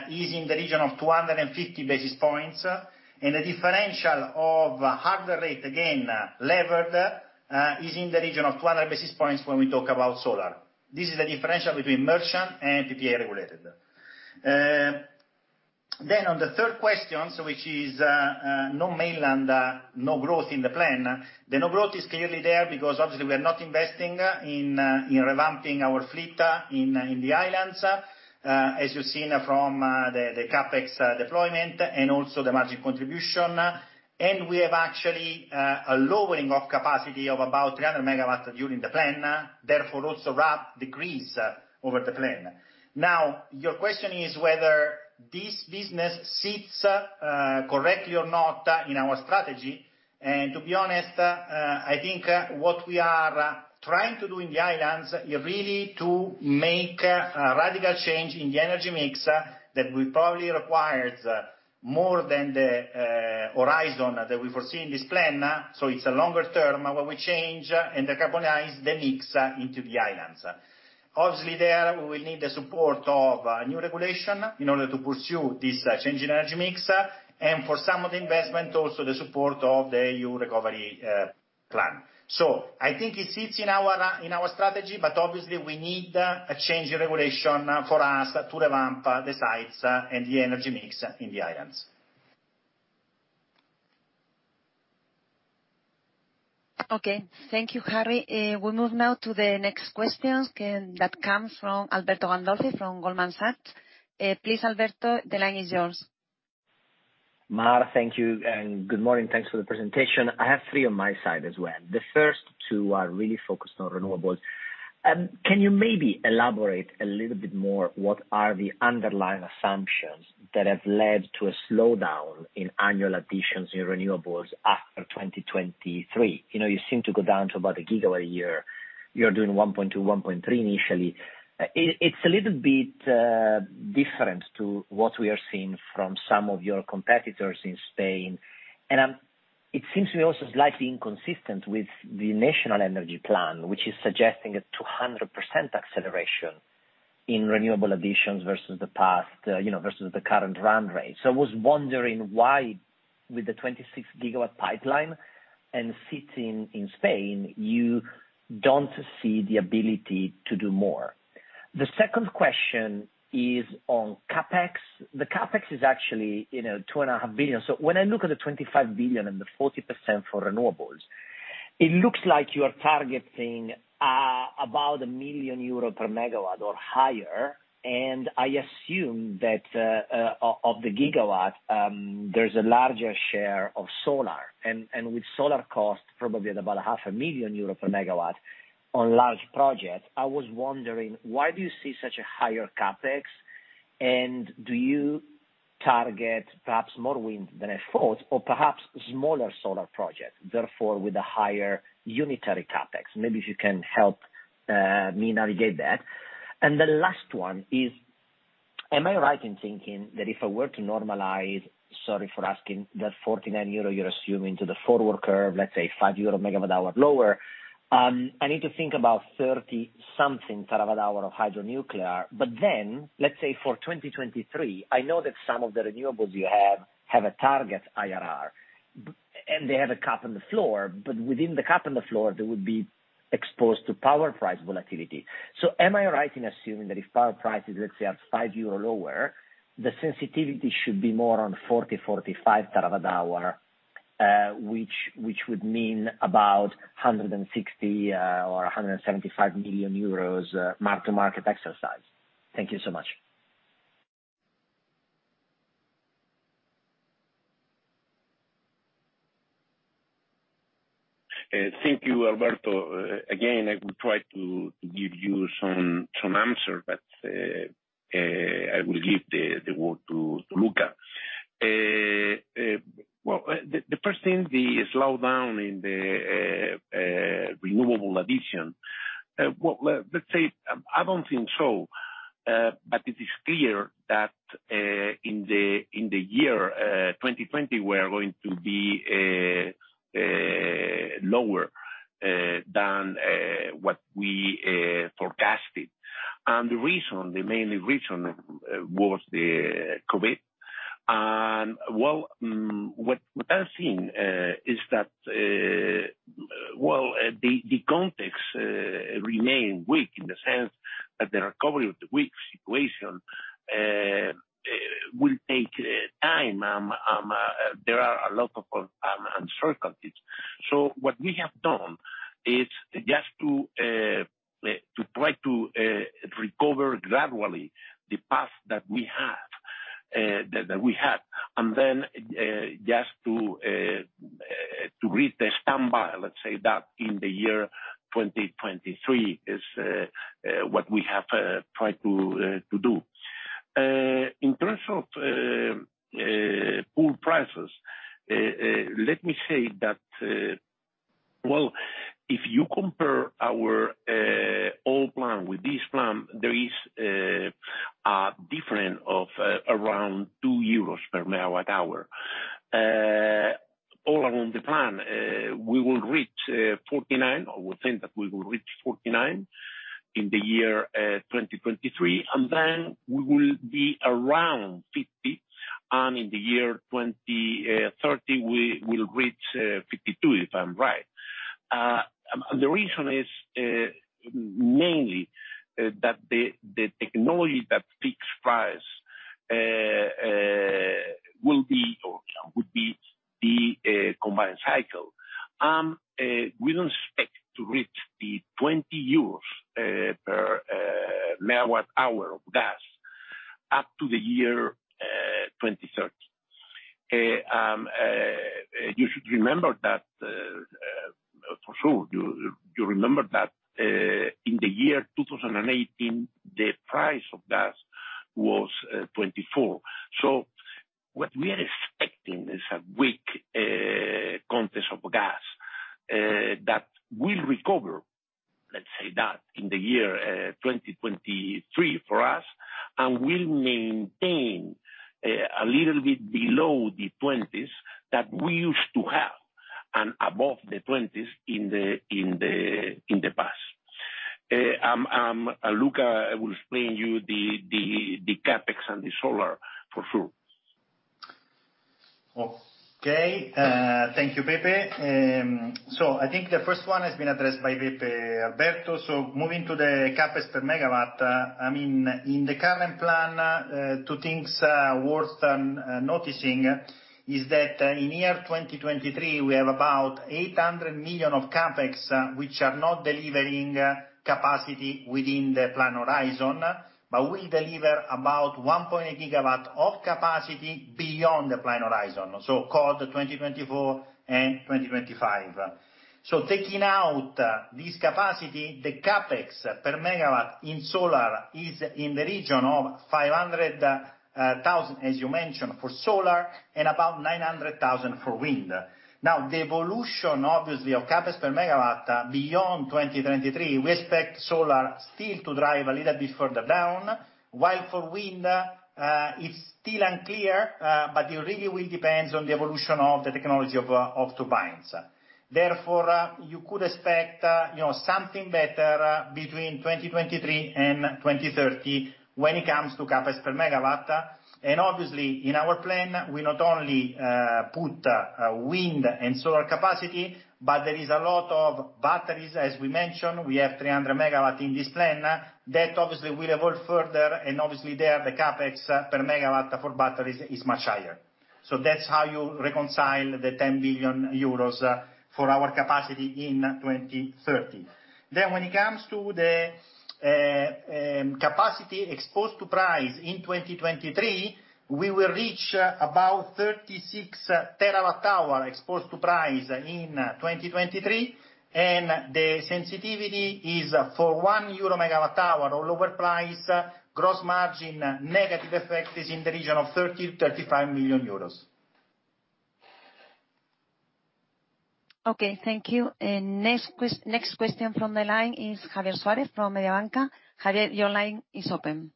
Speaker 3: is in the region of 250 basis points, and the differential of hurdle rate, again, levered, is in the region of 200 basis points when we talk about solar. This is the differential between merchant and PPA regulated. Then on the third question, which is non-mainland, no growth in the plan, the no growth is clearly there because obviously we are not investing in revamping our fleet in the islands, as you've seen from the CapEx deployment and also the margin contribution. We have actually a lowering of capacity of about 300 MW during the plan, therefore also rapid decrease over the plan. Now, your question is whether this business sits correctly or not in our strategy. To be honest, I think what we are trying to do in the islands is really to make a radical change in the energy mix that will probably require more than the horizon that we foresee in this plan. It's a longer term where we change and decarbonize the mix into the islands. Obviously, there we will need the support of new regulation in order to pursue this changing energy mix. For some of the investment, also the support of the EU recovery plan. So I think it sits in our strategy, but obviously we need a change in regulation for us to revamp the sites and the energy mix in the islands.
Speaker 1: Okay. Thank you, Harry. We move now to the next question that comes from Alberto Gandolfi from Goldman Sachs. Please, Alberto, the line is yours.
Speaker 6: Mar, thank you. And good morning. Thanks for the presentation. I have three on my side as well. The first two are really focused on renewables. Can you maybe elaborate a little bit more on what are the underlying assumptions that have led to a slowdown in annual additions in renewables after 2023? You seem to go down to about a gigawatt a year. You're doing 1.2, 1.3 initially. It's a little bit different to what we are seeing from some of your competitors in Spain. And it seems to me also slightly inconsistent with the national energy plan, which is suggesting a 200% acceleration in renewable additions versus the past versus the current run rate. So I was wondering why with the 26 GW pipeline and sitting in Spain, you don't see the ability to do more. The second question is on CapEx. The CapEx is actually 2.5 billion. So when I look at the 25 billion and the 40% for renewables, it looks like you are targeting about 1 million euro per MW or higher. And I assume that of the GW, there's a larger share of solar. And with solar costs probably at about 500,000 euro per MW on large projects, I was wondering, why do you see such a higher CapEx? Do you target perhaps more wind than I thought, or perhaps smaller solar projects, therefore with a higher unitary CapEx? Maybe if you can help me navigate that. The last one is, am I right in thinking that if I were to normalize, sorry for asking, that 49 euro you're assuming to the forward curve, let's say 5 euro MWh lower, I need to think about 30-something TWh of hydro nuclear. But then, let's say for 2023, I know that some of the renewables you have a target IRR, and they have a cap and floor. But within the cap and floor, they would be exposed to power price volatility. So am I right in assuming that if power prices, let's say, are 5 euro lower, the sensitivity should be more on 40-45 TWh, which would mean about 160 million or 175 million euros mark-to-market exercise? Thank you so much.
Speaker 2: Thank you, Alberto. Again, I will try to give you some answer, but I will give the word to Luca. Well, the first thing, the slowdown in the renewable addition, well, let's say I don't think so. But it is clear that in the year 2020, we are going to be lower than what we forecasted. And the reason, the main reason was the COVID. And well, what I've seen is that, well, the context remains weak in the sense that the recovery of the weak situation will take time, and there are a lot of uncertainties. What we have done is just to try to recover gradually the path that we had, and then just to read the standby, let's say, that in the year 2023 is what we have tried to do. In terms of pool prices, let me say that, well, if you compare our old plan with this plan, there is a difference of around 2 euros per MWh. All along the plan, we will reach 49. I would think that we will reach 49 in the year 2023, and then we will be around 50, and in the year 2030, we will reach 52, if I'm right, and the reason is mainly that the technology that fixed price will be or would be the combined cycle. We don't expect to reach the 20 euros per MWh of gas up to the year 2030. You should remember that, for sure, you remember that in the year 2018, the price of gas was 24. So what we are expecting is a weak cost of gas that will recover, let's say that, in the year 2023 for us, and will maintain a little bit below the 20s that we used to have and above the 20s in the past. Luca, I will explain to you the CapEx and the solar, for sure.
Speaker 3: Okay. Thank you, Pepe. So I think the first one has been addressed by Pepe Alberto. So moving to the CapEx per MW, I mean, in the current plan, two things are worth noticing is that in 2023, we have about 800 million of CapEx which are not delivering capacity within the plan horizon, but will deliver about 1.8 GW of capacity beyond the plan horizon, so-called 2024 and 2025. So taking out this capacity, the CapEx per megawatt in solar is in the region of 500,000, as you mentioned, for solar and about 900,000 for wind. Now, the evolution, obviously, of CapEx per megawatt beyond 2023, we expect solar still to drive a little bit further down, while for wind, it's still unclear, but it really will depend on the evolution of the technology of turbines. Therefore, you could expect something better between 2023 and 2030 when it comes to CapEx per megawatt. And obviously, in our plan, we not only put wind and solar capacity, but there is a lot of batteries. As we mentioned, we have 300 MW in this plan that obviously will evolve further. And obviously, there, the CapEx per megawatt for batteries is much higher. So that's how you reconcile the 10 billion euros for our capacity in 2030. Then when it comes to the capacity exposed to price in 2023, we will reach about 36 TWh exposed to price in 2023. The sensitivity is for 1 EUR/MWh or lower price, gross margin negative effect is in the region of 30-35 million euros.
Speaker 1: Okay. Thank you. The next question from the line is Javier Suárez from Mediobanca. Javier, your line is open.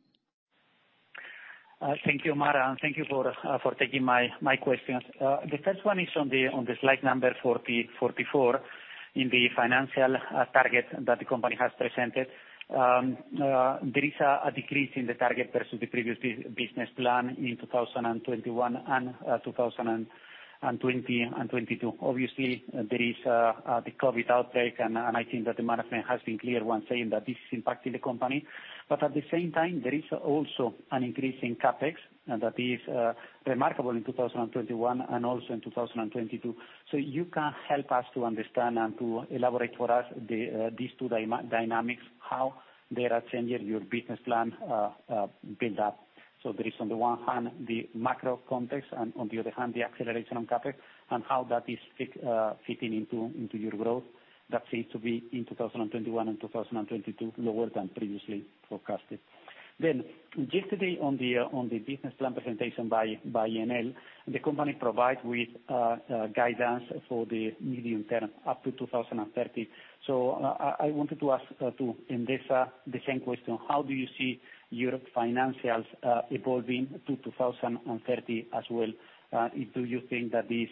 Speaker 7: Thank you, Mar. And thank you for taking my questions. The first one is on the slide number 44 in the financial target that the company has presented. There is a decrease in the target versus the previous business plan in 2021, 2020, and 2022. Obviously, there is the COVID outbreak, and I think that the management has been clear when saying that this is impacting the company. But at the same time, there is also an increase in CapEx that is remarkable in 2021 and also in 2022. So you can help us to understand and to elaborate for us these two dynamics, how they are changing your business plan build-up. So there is, on the one hand, the macro context, and on the other hand, the acceleration on CapEx, and how that is fitting into your growth that seems to be in 2021 and 2022 lower than previously forecasted. Then yesterday, on the business plan presentation by Enel, the company provides with guidance for the medium term up to 2030. So I wanted to ask to Endesa the same question. How do you see your financials evolving to 2030 as well? Do you think that these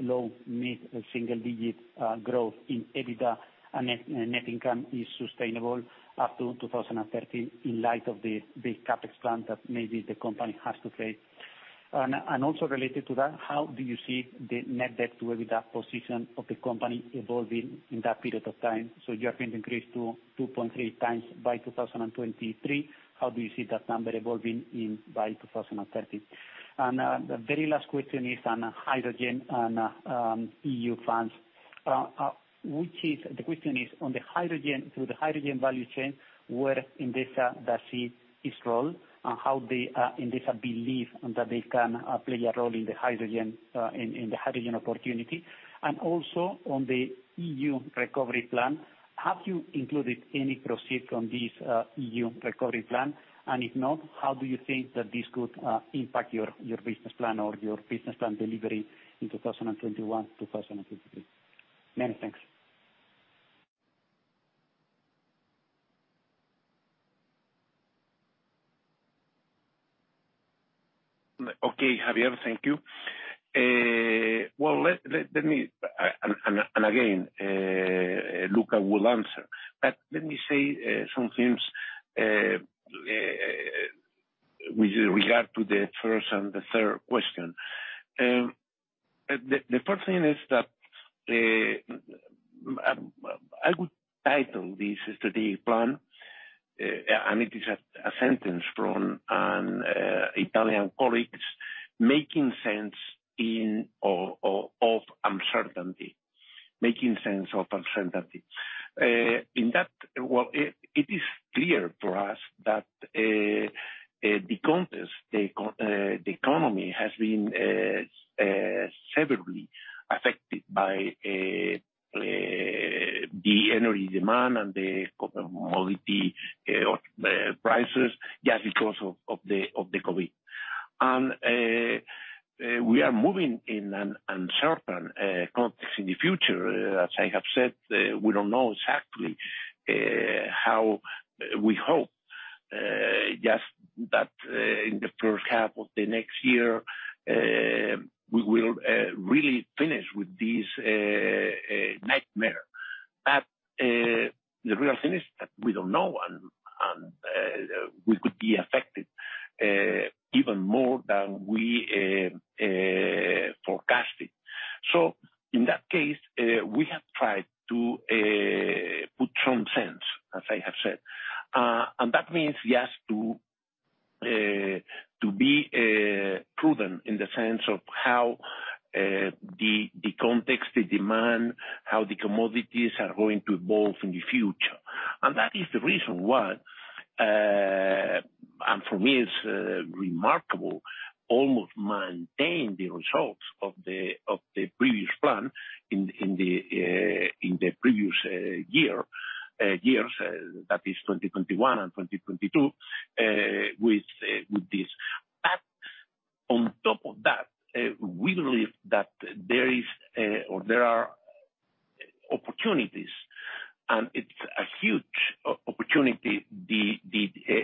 Speaker 7: low mid-single digit growth in EBITDA and net income is sustainable up to 2030 in light of the big CapEx plan that maybe the company has to face? And also related to that, how do you see the net debt to EBITDA position of the company evolving in that period of time? So you are going to increase to 2.3 times by 2023. How do you see that number evolving by 2030? And the very last question is on hydrogen and EU funds, which is the question is on the hydrogen through the hydrogen value chain, where Endesa does see its role and how Endesa believes that they can play a role in the hydrogen opportunity. And also on the EU recovery plan, have you included any proceeds from this EU recovery plan? And if not, how do you think that this could impact your business plan or your business plan delivery in 2021, 2023? Many thanks.
Speaker 2: Okay, Javier, thank you. Well, let me and again, Luca will answer. But let me say some things with regard to the first and the third question. The first thing is that I would title this strategic plan, and it is a sentence from an Italian colleague, making sense of uncertainty, making sense of uncertainty. In that, well, it is clear for us that the economy has been severely affected by the energy demand and the commodity prices just because of the COVID. And we are moving in an uncertain context in the future. As I have said, we don't know exactly how we hope just that in the H1 of the next year, we will really finish with this nightmare. But the real thing is that we don't know, and we could be affected even more than we forecasted. So in that case, we have tried to put some sense, as I have said. And that means just to be prudent in the sense of how the context, the demand, how the commodities are going to evolve in the future. And that is the reason why, and for me, it's remarkable, almost maintained the results of the previous plan in the previous years, that is 2021 and 2022, with this. But on top of that, we believe that there are opportunities, and it's a huge opportunity, the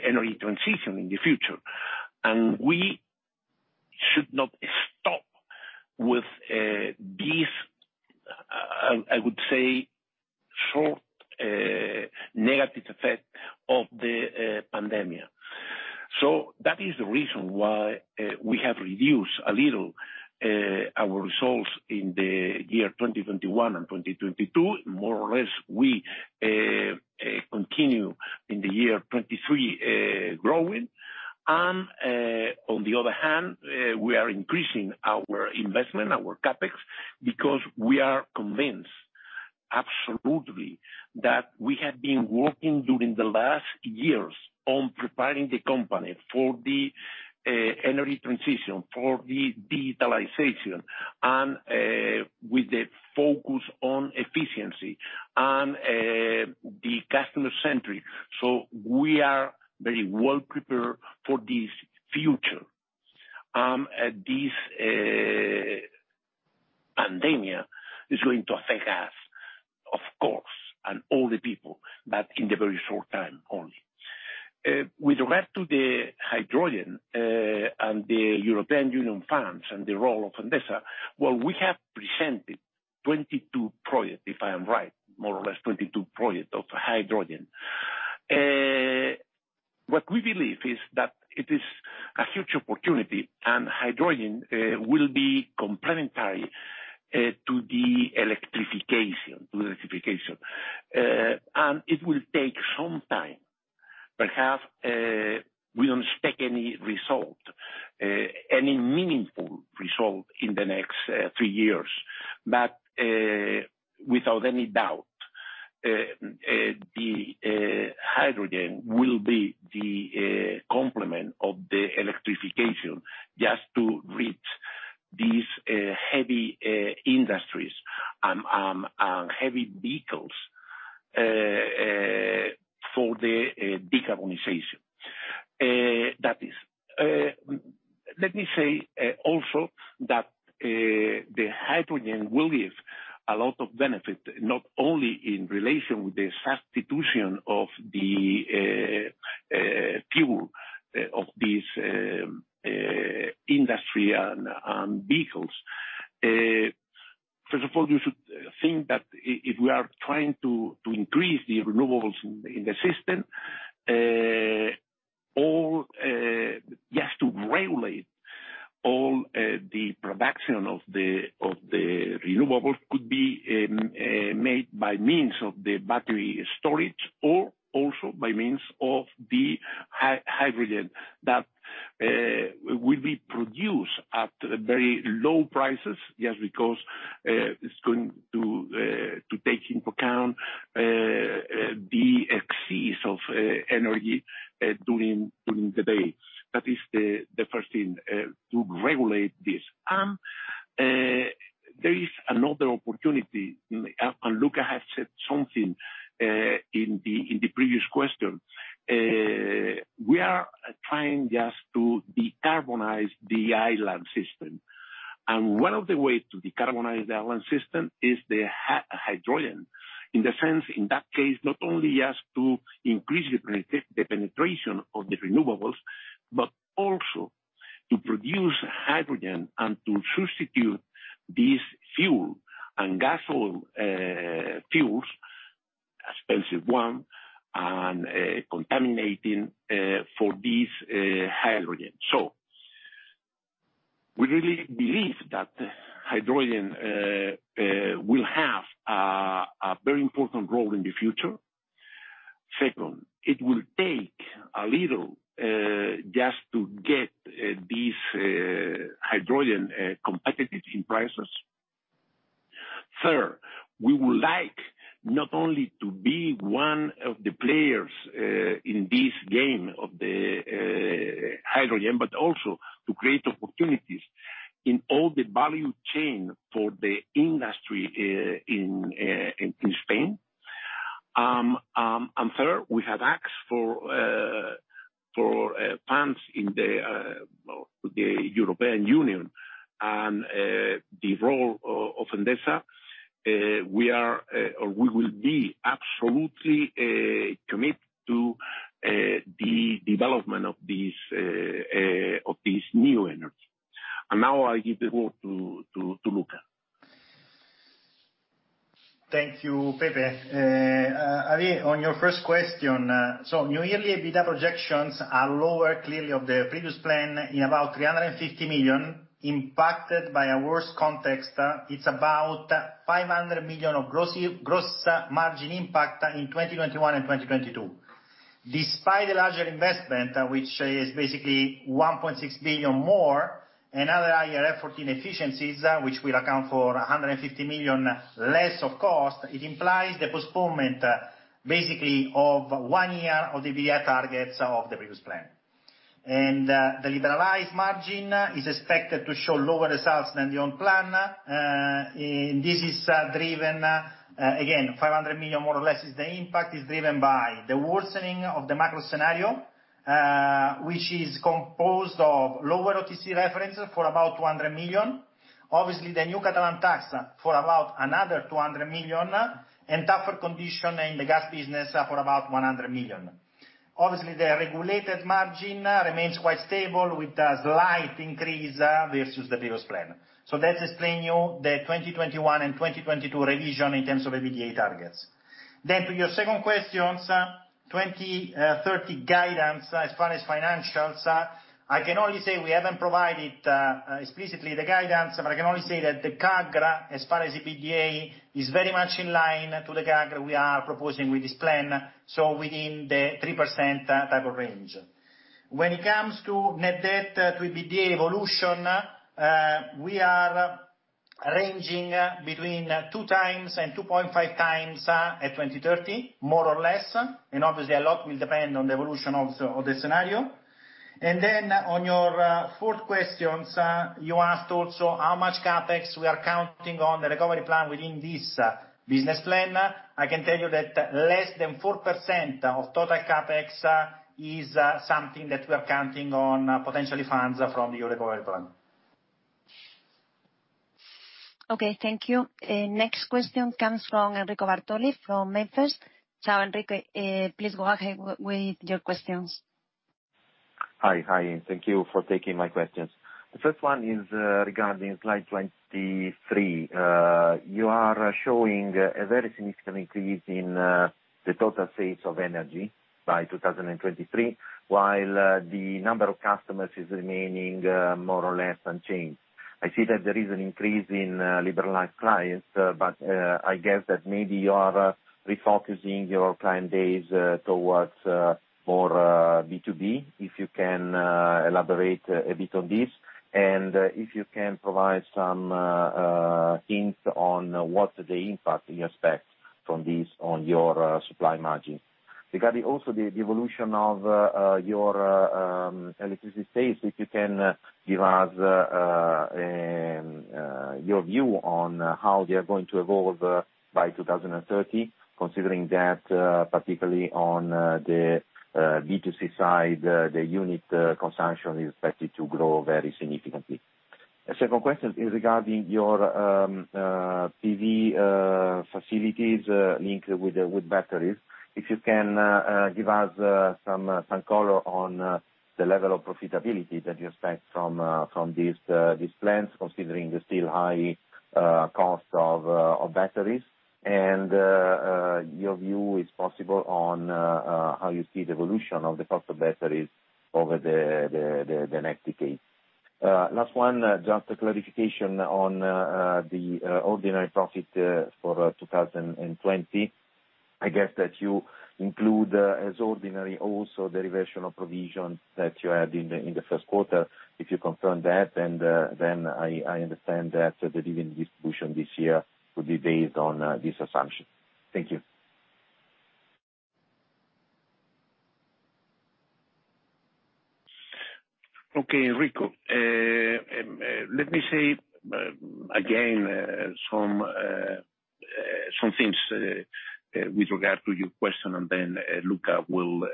Speaker 2: energy transition in the future. hydrogen will have a very important role in the future. Second, it will take a little just to get this hydrogen competitive in prices. Third, we would like not only to be one of the players in this game of the hydrogen, but also to create opportunities in all the value chain for the industry in Spain. Third, we have asked for funds in the European Union and the role of Endesa. We are or we will be absolutely committed to the development of this new energy. And now I give the word to Luca.
Speaker 3: Thank you, Pepe. Javier, on your first question. So new yearly EBITDA projections are lower clearly of the previous plan in about 350 million, impacted by a worse context. It's about 500 million of gross margin impact in 2021 and 2022. Despite the larger investment, which is basically 1.6 billion more, and other higher effort in efficiencies, which will account for 150 million less of cost, it implies the postponement basically of one year of the EBITDA targets of the previous plan. And the liberalized margin is expected to show lower results than the old plan. This is driven, again, 500 million more or less is the impact. It is driven by the worsening of the macro scenario, which is composed of lower OTC references for about 200 million. Obviously, the new Catalan tax for about another 200 million and tougher condition in the gas business for about 100 million. Obviously, the regulated margin remains quite stable with a slight increase versus the previous plan. So that's explaining the 2021 and 2022 revision in terms of EBITDA targets. Then to your second question, 2030 guidance as far as financials, I can only say we haven't provided explicitly the guidance, but I can only say that the CAGR, as far as EBITDA, is very much in line to the CAGR we are proposing with this plan, so within the 3% type of range. When it comes to net debt to EBITDA evolution, we are ranging between two times and 2.5 times at 2030, more or less, and obviously, a lot will depend on the evolution of the scenario, and then on your fourth question, you asked also how much CapEx we are counting on the recovery plan within this business plan. I can tell you that less than 4% of total CapEx is something that we are counting on potentially funds from the recovery plan.
Speaker 1: Okay, thank you. Next question comes from Enrico Bartoli from MainFirst. Ciao, Enrico. Please go ahead with your questions.
Speaker 8: Hi, Javier. Thank you for taking my questions. The first one is regarding slide 23. You are showing a very significant increase in the total sales of energy by 2023, while the number of customers is remaining more or less unchanged. I see that there is an increase in liberalized clients, but I guess that maybe you are refocusing your client base towards more B2B, if you can elaborate a bit on this, and if you can provide some hints on what the impact you expect from this on your supply margin. Regarding also the evolution of your electricity sales, if you can give us your view on how they are going to evolve by 2030, considering that particularly on the B2C side, the unit consumption is expected to grow very significantly. The second question is regarding your PV facilities linked with batteries. If you can give us some color on the level of profitability that you expect from this plan, considering the still high cost of batteries, and your view, if possible, on how you see the evolution of the cost of batteries over the next decade. Last one, just a clarification on the ordinary profit for 2020. I guess that you include as ordinary also the reversion of provisions that you had in the first quarter. If you confirm that, then I understand that the dividend distribution this year would be based on this assumption. Thank you.
Speaker 2: Okay, Enrico. Let me say again some things with regard to your question, and then Luca will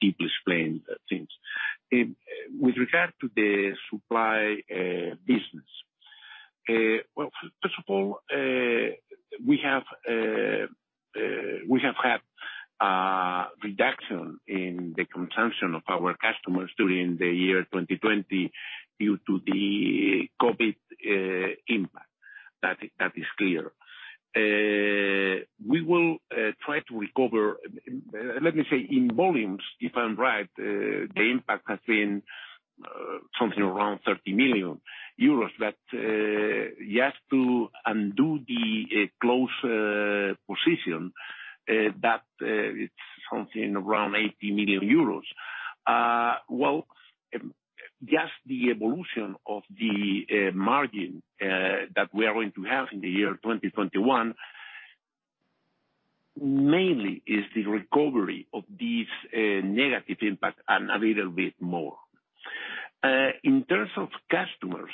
Speaker 2: deeply explain things. With regard to the supply business, well, first of all, we have had a reduction in the consumption of our customers during the year 2020 due to the COVID impact. That is clear. We will try to recover, let me say, in volumes, if I'm right, the impact has been something around 30 million euros. But just to undo the close position, that it's something around 80 million euros. Just the evolution of the margin that we are going to have in the year 2021 mainly is the recovery of this negative impact and a little bit more. In terms of customers,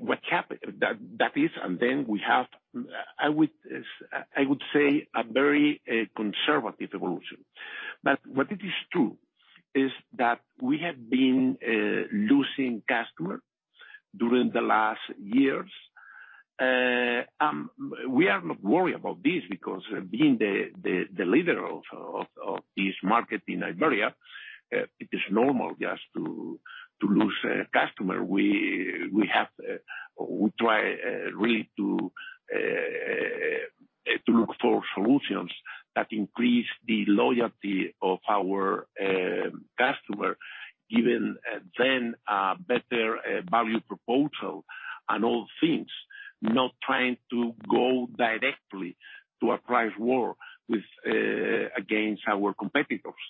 Speaker 2: what happened, that is, and then we have, I would say, a very conservative evolution. But what it is true is that we have been losing customers during the last years. We are not worried about this because being the leader of this market in Iberia, it is normal just to lose customers. We try really to look for solutions that increase the loyalty of our customers, giving them a better value proposal and all things, not trying to go directly to a price war against our competitors.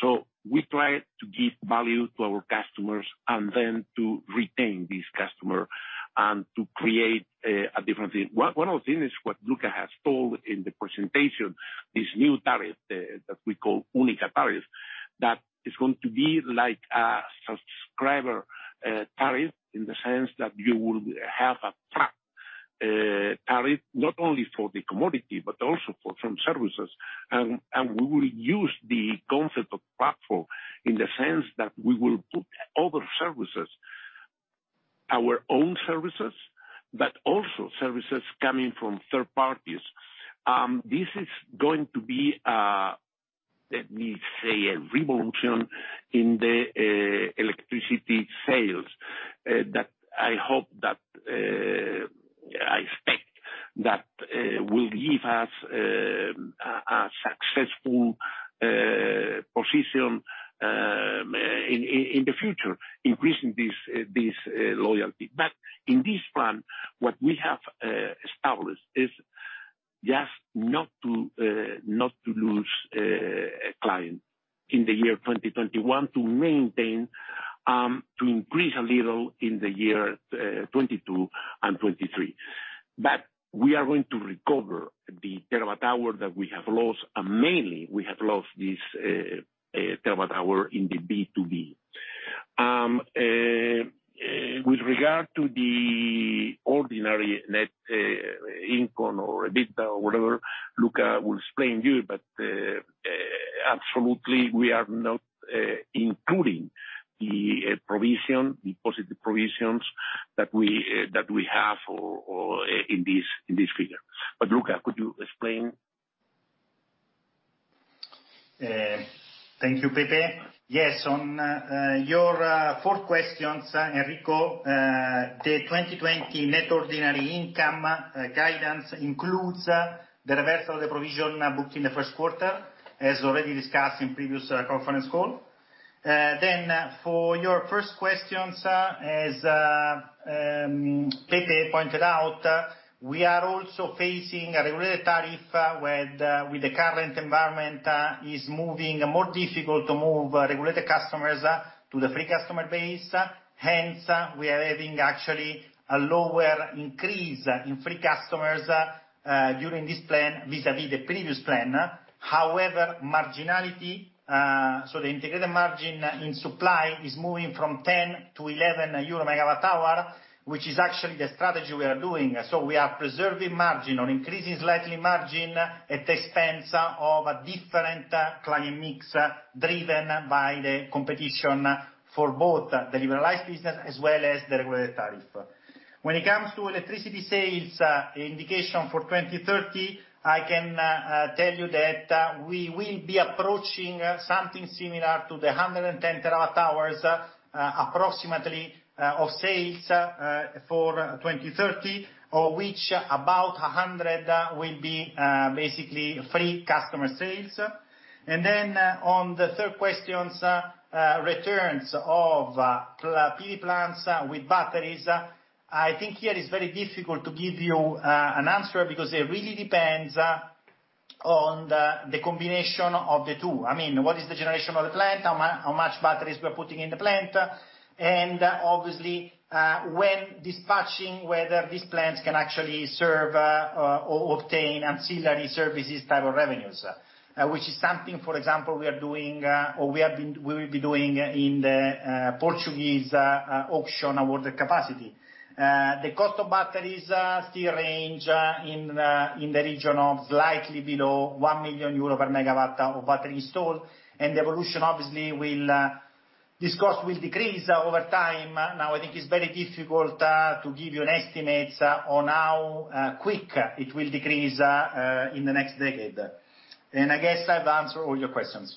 Speaker 2: So we try to give value to our customers and then to retain these customers and to create a different thing. One of the things is what Luca has told in the presentation, this new tariff that we call Unica Tariff, that it's going to be like a subscriber tariff in the sense that you will have a flat tariff not only for the commodity but also for some services, and we will use the concept of platform in the sense that we will put other services, our own services, but also services coming from third parties. This is going to be, let me say, a revolution in the electricity sales that I hope that I expect that will give us a successful position in the future, increasing this loyalty, but in this plan, what we have established is just not to lose clients in the year 2021, to maintain, to increase a little in the year 2022 and 2023. But we are going to recover the terawatt-hour that we have lost, and mainly we have lost this terawatt-hour in the B2B. With regard to the ordinary net income or EBITDA or whatever, Luca will explain to you, but absolutely, we are not including the provision, the positive provisions that we have in this figure. But Luca, could you explain?
Speaker 3: Thank you, Pepe. Yes, on your fourth question, Enrico, the 2020 net ordinary income guidance includes the reversal of the provision booked in the first quarter, as already discussed in previous conference call. Then for your first question, as Pepe pointed out, we are also facing a regulated tariff where the current environment is moving more difficult to move regulated customers to the free customer base. Hence, we are having actually a lower increase in free customers during this plan vis-à-vis the previous plan. However, marginality, so the integrated margin in supply is moving from 10-11 euro MWh, which is actually the strategy we are doing. So we are preserving margin or increasing slightly margin at the expense of a different client mix driven by the competition for both the liberalized business as well as the regulated tariff. When it comes to electricity sales, indication for 2030, I can tell you that we will be approaching something similar to the 110 TWh approximately of sales for 2030, of which about 100 will be basically free customer sales. And then on the third question, returns of PV plants with batteries, I think here it's very difficult to give you an answer because it really depends on the combination of the two. I mean, what is the generation of the plant, how much batteries we are putting in the plant, and obviously, when dispatching, whether these plants can actually serve or obtain ancillary services type of revenues, which is something, for example, we are doing or we will be doing in the Portuguese auction awarded capacity. The cost of batteries still range in the region of slightly below 1 million euros per MWh battery installed, and the evolution, obviously, will this cost decrease over time. Now, I think it's very difficult to give you an estimate on how quick it will decrease in the next decade. And I guess I've answered all your questions.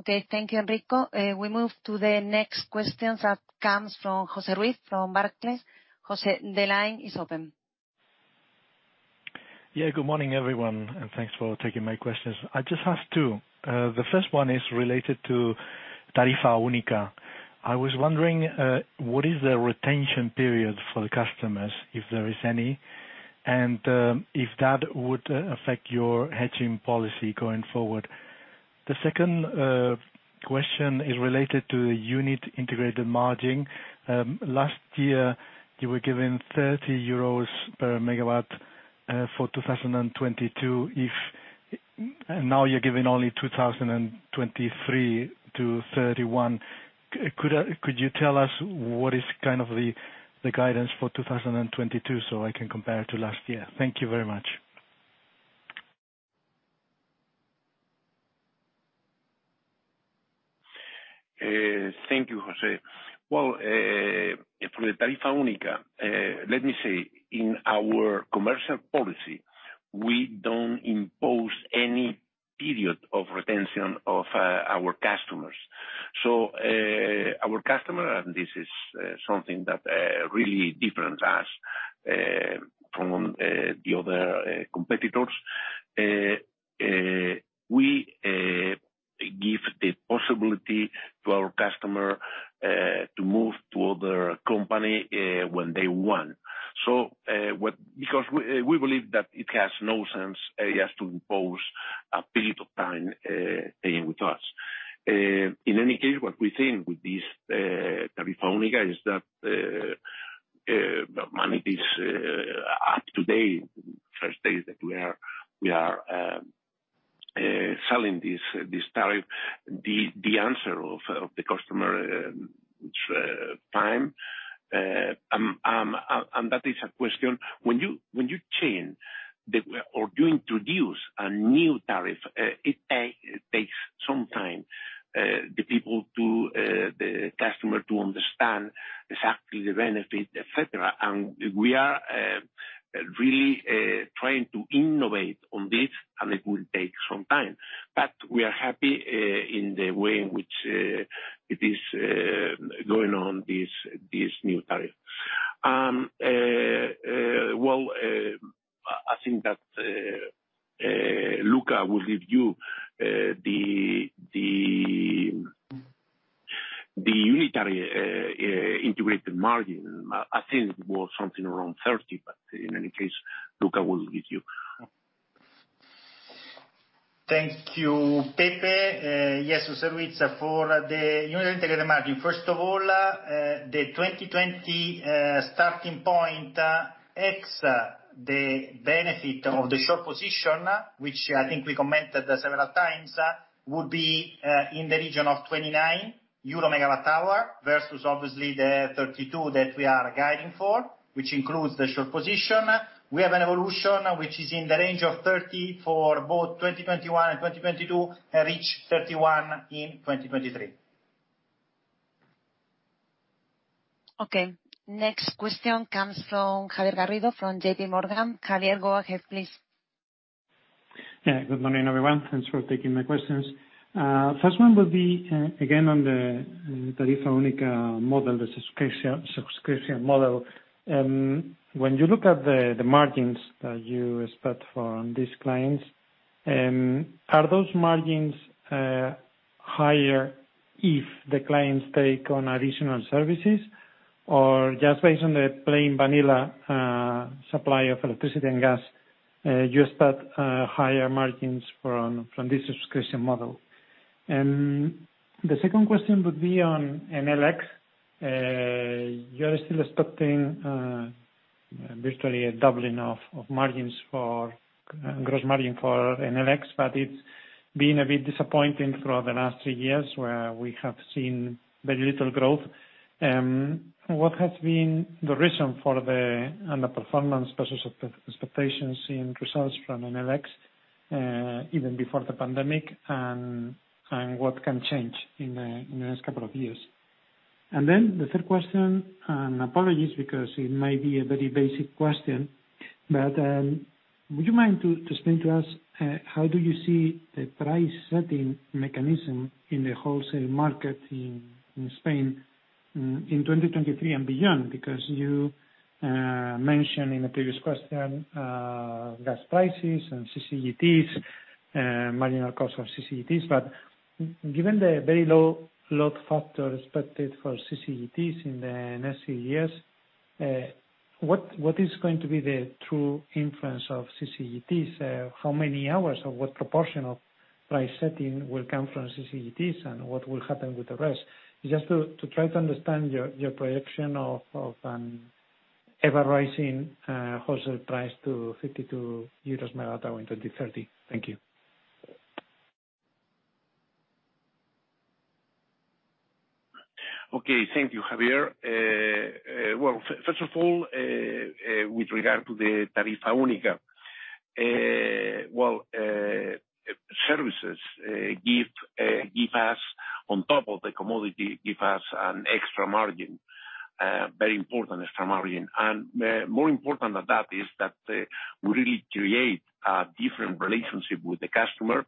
Speaker 1: Okay, thank you, Enrico. We move to the next question that comes from José Ruiz from Barclays. José, the line is open.
Speaker 9: Yeah, good morning, everyone, and thanks for taking my questions. I just have two. The first one is related to Tarifa Única. I was wondering what is the retention period for the customers, if there is any, and if that would affect your hedging policy going forward. The second question is related to the unit integrated margin. Last year, you were given 30 euros per MW for 2022. Now you're given only 2023 to 2031. Could you tell us what is kind of the guidance for 2022 so I can compare to last year? Thank you very much.
Speaker 2: Thank you, José. Well, for the Tarifa Única, let me say, in our commercial policy, we don't impose any period of retention of our customers. So our customer, and this is something that really differentiates us from the other competitors, we give the possibility to our customer to move to other company when they want. Because we believe that it has no sense just to impose a period of time staying with us. In any case, what we think with this Tarifa Única is that the money is up to date in the first days that we are selling this tariff. The answer of the customer time, and that is a question. When you change or you introduce a new tariff, it takes some time for the customer to understand exactly the benefit, etc. And we are really trying to innovate on this, and it will take some time. But we are happy in the way in which it is going on this new tariff. Well, I think that Luca will give you the unitary integrated margin. I think it was something around 30, but in any case, Luca will give you.
Speaker 3: Thank you, Pepe. Yes, José Ruiz, for the unit integrated margin. First of all, the 2020 starting point ex the benefit of the short position, which I think we commented several times, would be in the region of 29 EUR/MWh versus obviously the 32 EUR/MWh that we are guiding for, which includes the short position. We have an evolution which is in the range of 30 EUR/MWh for both 2021 and 2022, and reach 31 EUR/MWh in 2023.
Speaker 1: Okay. Next question comes from Javier Garrido from J.P. Morgan. Javier, go ahead, please.
Speaker 10: Yeah, good morning, everyone. Thanks for taking my questions. First one would be, again, on the Tarifa Única model, the subscription model. When you look at the margins that you expect for these clients, are those margins higher if the clients take on additional services? Or just based on the plain vanilla supply of electricity and gas, you expect higher margins from this subscription model? And the second question would be on Enel X. You are still expecting virtually a doubling of margins for gross margin for Enel X, but it's been a bit disappointing throughout the last three years where we have seen very little growth. What has been the reason for the underperformance versus expectations in results from Enel X even before the pandemic, and what can change in the next couple of years? And then the third question, and apologies because it might be a very basic question, but would you mind to explain to us how do you see the price-setting mechanism in the wholesale market in Spain in 2023 and beyond? Because you mentioned in the previous question gas prices and CCGTs, marginal cost of CCGTs. But given the very low load factor expected for CCGTs in the next few years, what is going to be the true influence of CCGTs? How many hours or what proportion of price-setting will come from CCGTs, and what will happen with the rest? Just to try to understand your prediction of an ever-rising wholesale price to 52 EUR/MWh in 2030. Thank you.
Speaker 2: Okay, thank you, Javier. Well, first of all, with regard to the Tarifa Única, well, services give us, on top of the commodity, give us an extra margin, very important extra margin. More important than that is that we really create a different relationship with the customer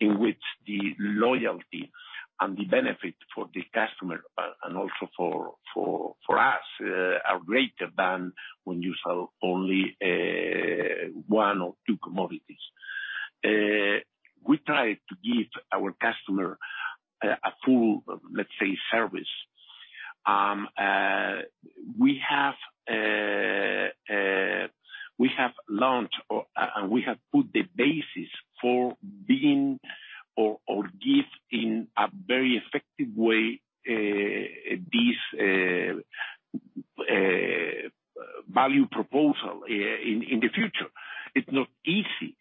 Speaker 2: in which the loyalty and the benefit for the customer and also for us are greater than when you sell only one or two commodities. We try to give our customer a full, let's say, service. We have launched and we have put the basis for being or give in a very effective way this value proposal in the future. It's not easy.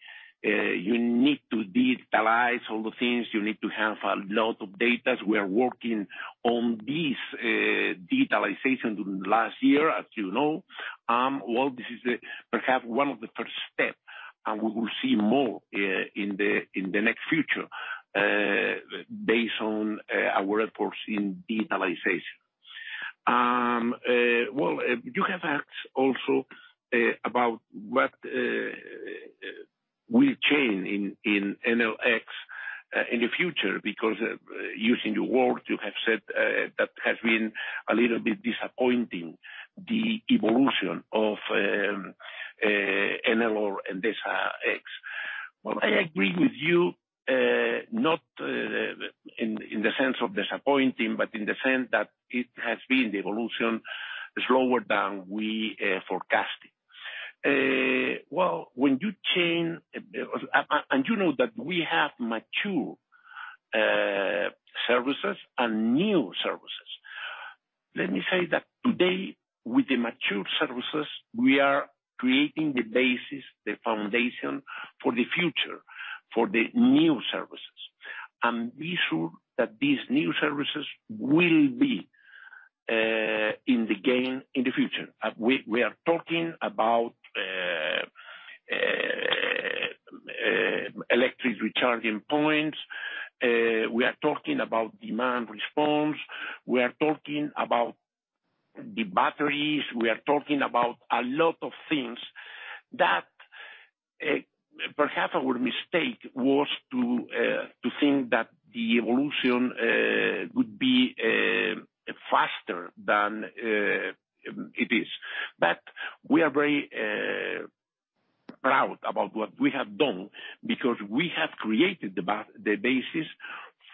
Speaker 2: You need to digitalize all the things. You need to have a lot of data. We are working on this digitalization in the last year, as you know. Well, this is perhaps one of the first steps, and we will see more in the next future based on our efforts in digitalization. Well, you have asked also about what will change in Enel X in the future because, using your words, you have said that has been a little bit disappointing, the evolution of Enel X. Well, I agree with you, not in the sense of disappointing, but in the sense that it has been the evolution slower than we forecasted. When you change and you know that we have mature services and new services. Let me say that today, with the mature services, we are creating the basis, the foundation for the future, for the new services. And be sure that these new services will be in the game in the future. We are talking about electric recharging points. We are talking about demand response. We are talking about the batteries. We are talking about a lot of things that perhaps our mistake was to think that the evolution would be faster than it is. But we are very proud about what we have done because we have created the basis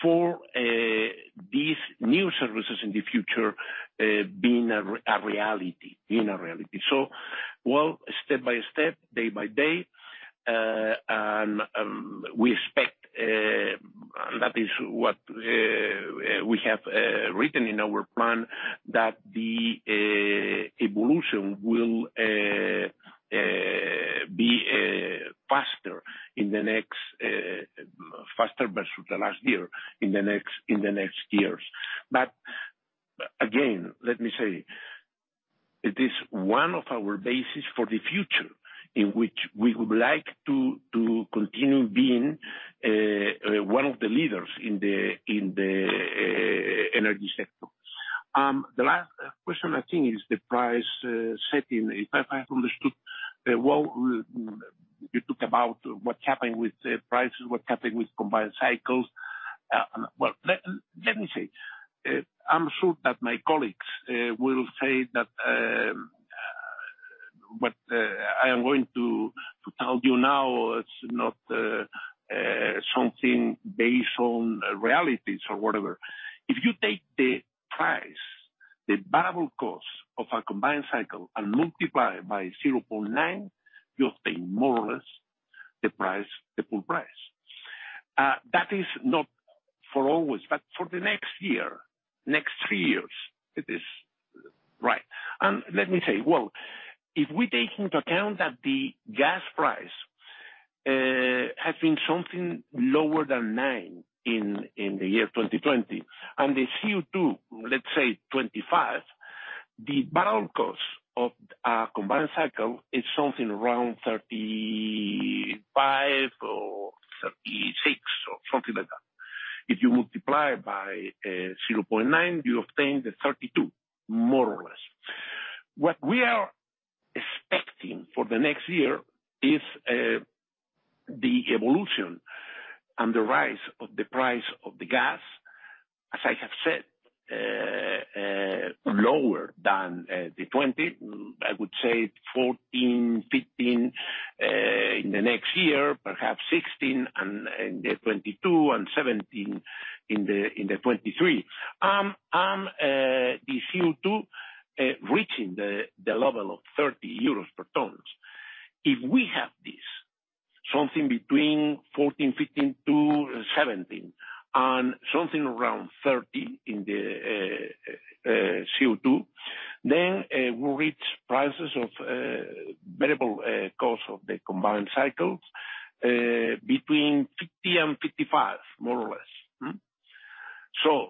Speaker 2: for these new services in the future being a reality, being a reality. So, well, step by step, day by day, and we expect, and that is what we have written in our plan, that the evolution will be faster in the next versus the last year in the next years. But again, let me say, it is one of our bases for the future in which we would like to continue being one of the leaders in the energy sector. The last question, I think, is the price setting. If I have understood, well, you talked about what's happening with prices, what's happening with combined cycles. Well, let me say, I'm sure that my colleagues will say that what I am going to tell you now is not something based on realities or whatever. If you take the price, the variable cost of a combined cycle and multiply it by 0.9, you'll pay more or less the price, the full price. That is not for always, but for the next year, next three years, it is right. Let me say, well, if we take into account that the gas price has been something lower than 9 in the year 2020, and the CO2, let's say 25, the variable cost of a combined cycle is something around 35 or 36 or something like that. If you multiply it by 0.9, you obtain the 32, more or less. What we are expecting for the next year is the evolution and the rise of the price of the gas, as I have said, lower than the 20. I would say 14, 15 in the next year, perhaps 16 and 22 and 17 in the 2023. And the CO2 reaching the level of 30 euros per tonne. If we have this, something between 14-15 to 17, and something around 30 in the CO2, then we'll reach prices of variable cost of the combined cycles between 50-55, more or less. So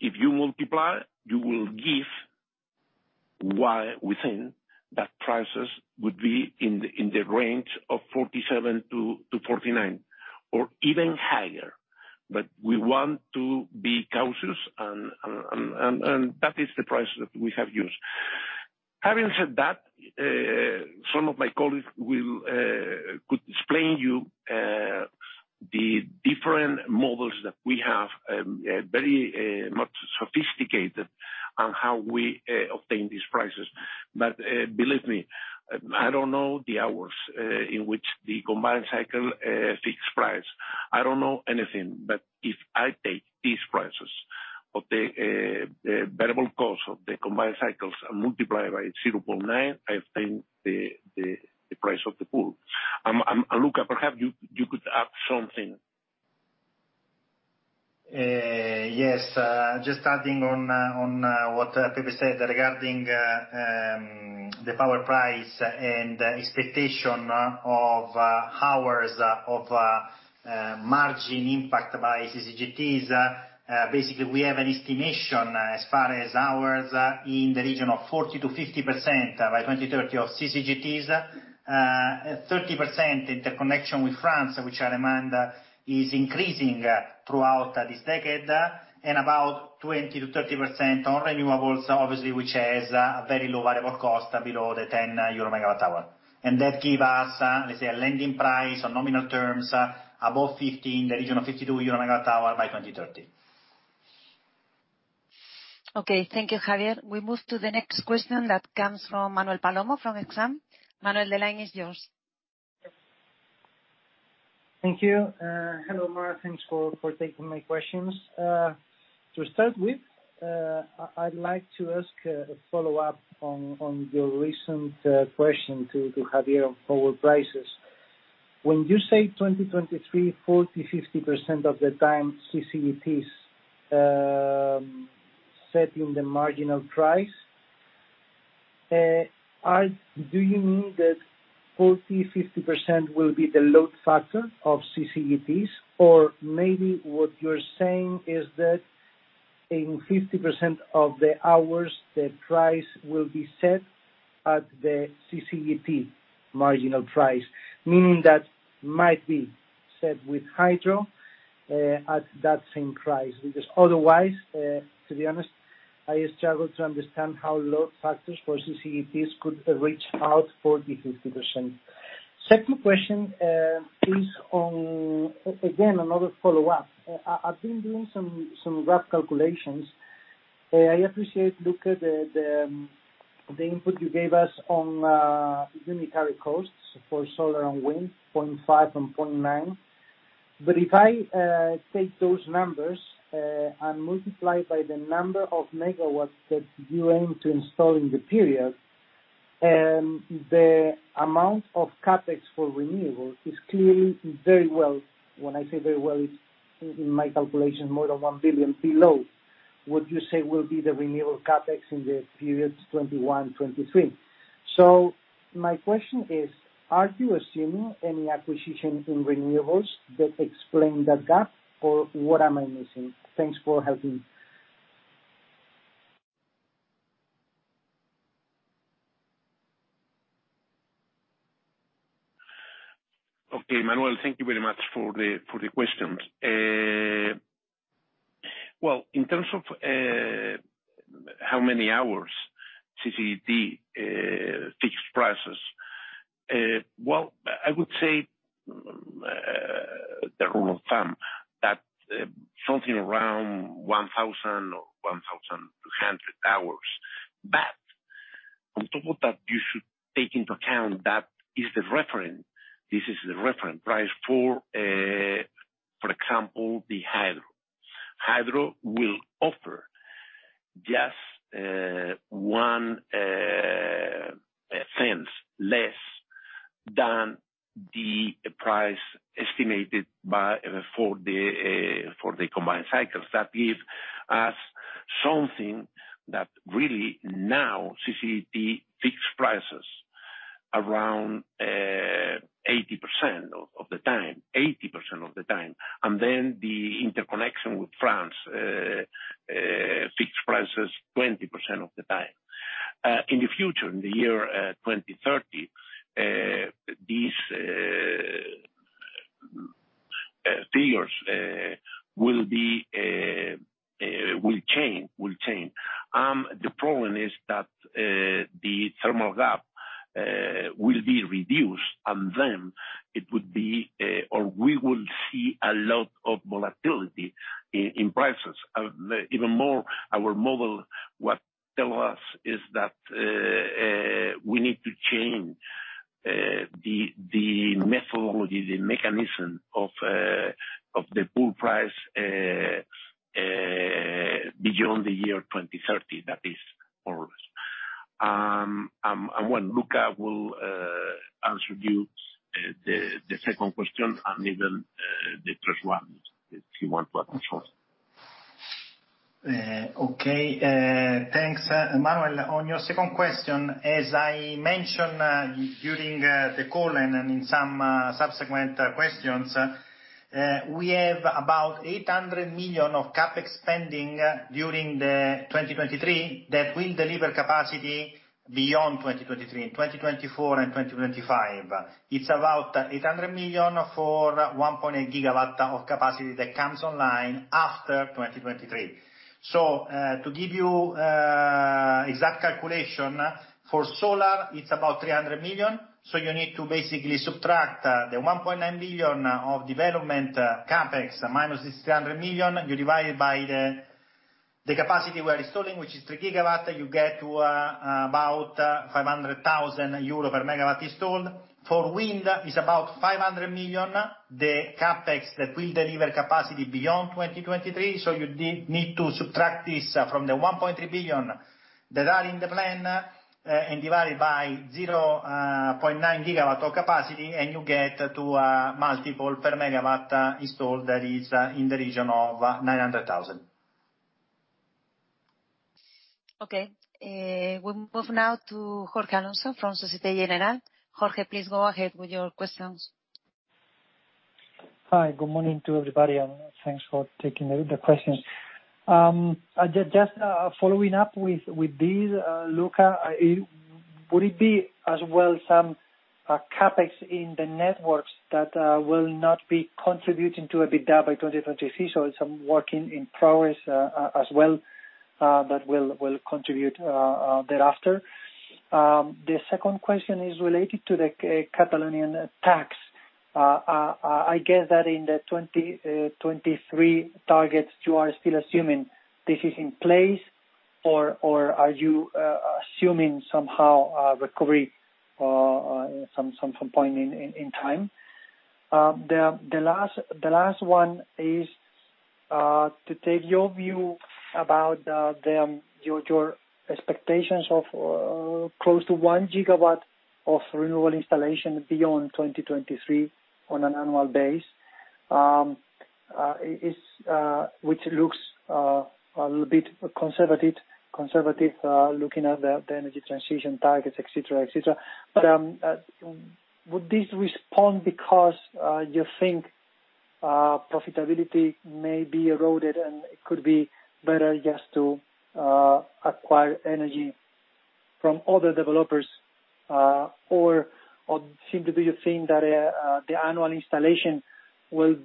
Speaker 2: if you multiply, you will give why we think that prices would be in the range of 47-49 or even higher. But we want to be cautious, and that is the price that we have used. Having said that, some of my colleagues could explain to you the different models that we have, very much sophisticated, and how we obtain these prices. But believe me, I don't know the hours in which the combined cycle fixed price. I don't know anything, but if I take these prices of the variable cost of the combined cycles and multiply by 0.9, I obtain the price of the pool. And Luca, perhaps you could add something.
Speaker 3: Yes, just adding on what Pepe said regarding the power price and expectation of hours of margin impact by CCGTs. Basically, we have an estimation as far as hours in the region of 40%-50% by 2030 of CCGTs. 30% interconnection with France, which I remind is increasing throughout this decade, and about 20%-30% on renewables, obviously, which has a very low variable cost below 10 EUR/MWh. And that gives us, let's say, a landing price on nominal terms above 50 in the region of 52 EUR/MWh by 2030.
Speaker 1: Okay, thank you, Javier. We move to the next question that comes from Manuel Palomo from Exane BNP Paribas. Manuel, the line is yours.
Speaker 11: Thank you. Hello, Mar. Thanks for taking my questions. To start with, I'd like to ask a follow-up on your recent question to Javier on power prices. When you say 2023, 40%-50% of the time CCGTs set the marginal price, do you mean that 40%-50% will be the load factor of CCGTs? Or maybe what you're saying is that in 50% of the hours, the price will be set at the CCGT marginal price, meaning that might be set with hydro at that same price? Because otherwise, to be honest, I struggle to understand how load factors for CCGTs could reach 40%-50%. Second question is on, again, another follow-up. I've been doing some rough calculations. I appreciate, Luca, the input you gave us on unitary costs for solar and wind, 0.5 and 0.9. But if I take those numbers and multiply by the number of megawatts that you aim to install in the period, the amount of CapEx for renewable is clearly very well. When I say very well, it's in my calculation more than 1 billion below what you say will be the renewable CapEx in the period 2021, 2023. So my question is, are you assuming any acquisition in renewables that explain that gap, or what am I missing? Thanks for helping.
Speaker 2: Okay, Manuel, thank you very much for the questions. Well, in terms of how many hours CCGT fixed prices, well, I would say the rule of thumb that something around 1,000 or 1,200 hours. But on top of that, you should take into account that this is the reference price for, for example, the hydro. Hydro will offer just 0.01 less than the price estimated for the combined cycles. That gives us something that really now CCGT fixed prices around 80% of the time, 80% of the time, and then the interconnection with France fixed prices 20% of the time. In the future, in the year 2030, these figures will change. The problem is that the thermal gap will be reduced, and then it would be or we will see a lot of volatility in prices. Even more, our model what tells us is that we need to change the methodology, the mechanism of the pool price beyond the year 2030. That is more or less, and when Luca will answer you the second question and even the first one if you want to add something.
Speaker 3: Okay, thanks. Manuel, on your second question, as I mentioned during the call and in some subsequent questions, we have about 800 million of CapEx spending during 2023 that will deliver capacity beyond 2023, 2024, and 2025. It's about 800 million for 1.8 GW of capacity that comes online after 2023. So to give you an exact calculation for solar, it's about 300 million. So you need to basically subtract the 1.9 billion of development CapEx minus this 300 million. You divide it by the capacity we are installing, which is 3 GW. You get to about 500,000 euro per MW installed. For wind, it's about 500 million, the CapEx that will deliver capacity beyond 2023. So you need to subtract this from the 1.3 billion that are in the plan and divide it by 0.9 GW of capacity, and you get to a multiple per megawatt installed that is in the region of 900,000.
Speaker 1: Okay, we move now to Jorge Alonso from Société Générale. Jorge, please go ahead with your questions.
Speaker 12: Hi, good morning to everybody, and thanks for taking the questions. Just following up with these, Luca, would it be as well some CapEx in the networks that will not be contributing to EBITDA by 2023? So it's some work in progress as well that will contribute thereafter. The second question is related to the Catalonian tax. I guess that in the 2023 targets, you are still assuming this is in place, or are you assuming somehow recovery at some point in time? The last one is to take your view about your expectations of close to one gigawatt of renewable installation beyond 2023 on an annual basis, which looks a little bit conservative looking at the energy transition targets, etc., etc. But would this respond because you think profitability may be eroded and it could be better just to acquire energy from other developers? Or simply do you think that the annual installation will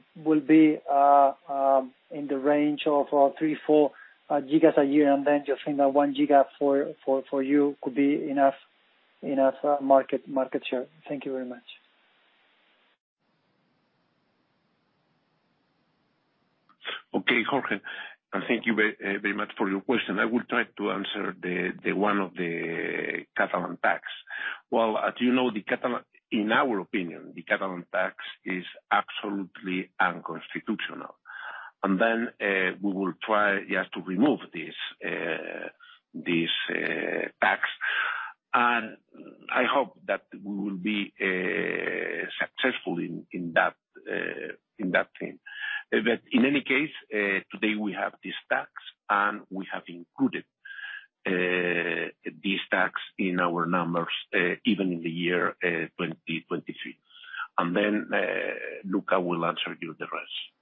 Speaker 12: be in the range of 3-4 gigas a year, and then you think that one giga for you could be enough market share? Thank you very much.
Speaker 2: Okay, Jorge, thank you very much for your question. I will try to answer the one of the Catalan tax. Well, as you know, in our opinion, the Catalan tax is absolutely unconstitutional. And then we will try just to remove this tax. I hope that we will be successful in that thing. But in any case, today we have this tax, and we have included this tax in our numbers even in the year 2023. And then Luca will answer you the rest.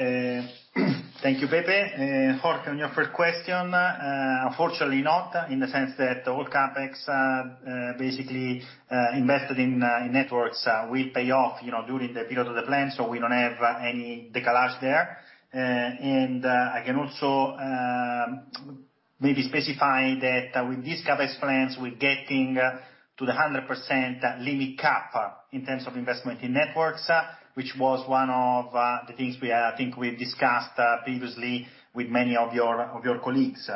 Speaker 3: Thank you, Pepe. Jorge, on your first question, unfortunately not, in the sense that all CapEx basically invested in networks will pay off during the period of the plan, so we don't have any decalage there. And I can also maybe specify that with these CapEx plans, we're getting to the 100% limit cap in terms of investment in networks, which was one of the things I think we discussed previously with many of your colleagues.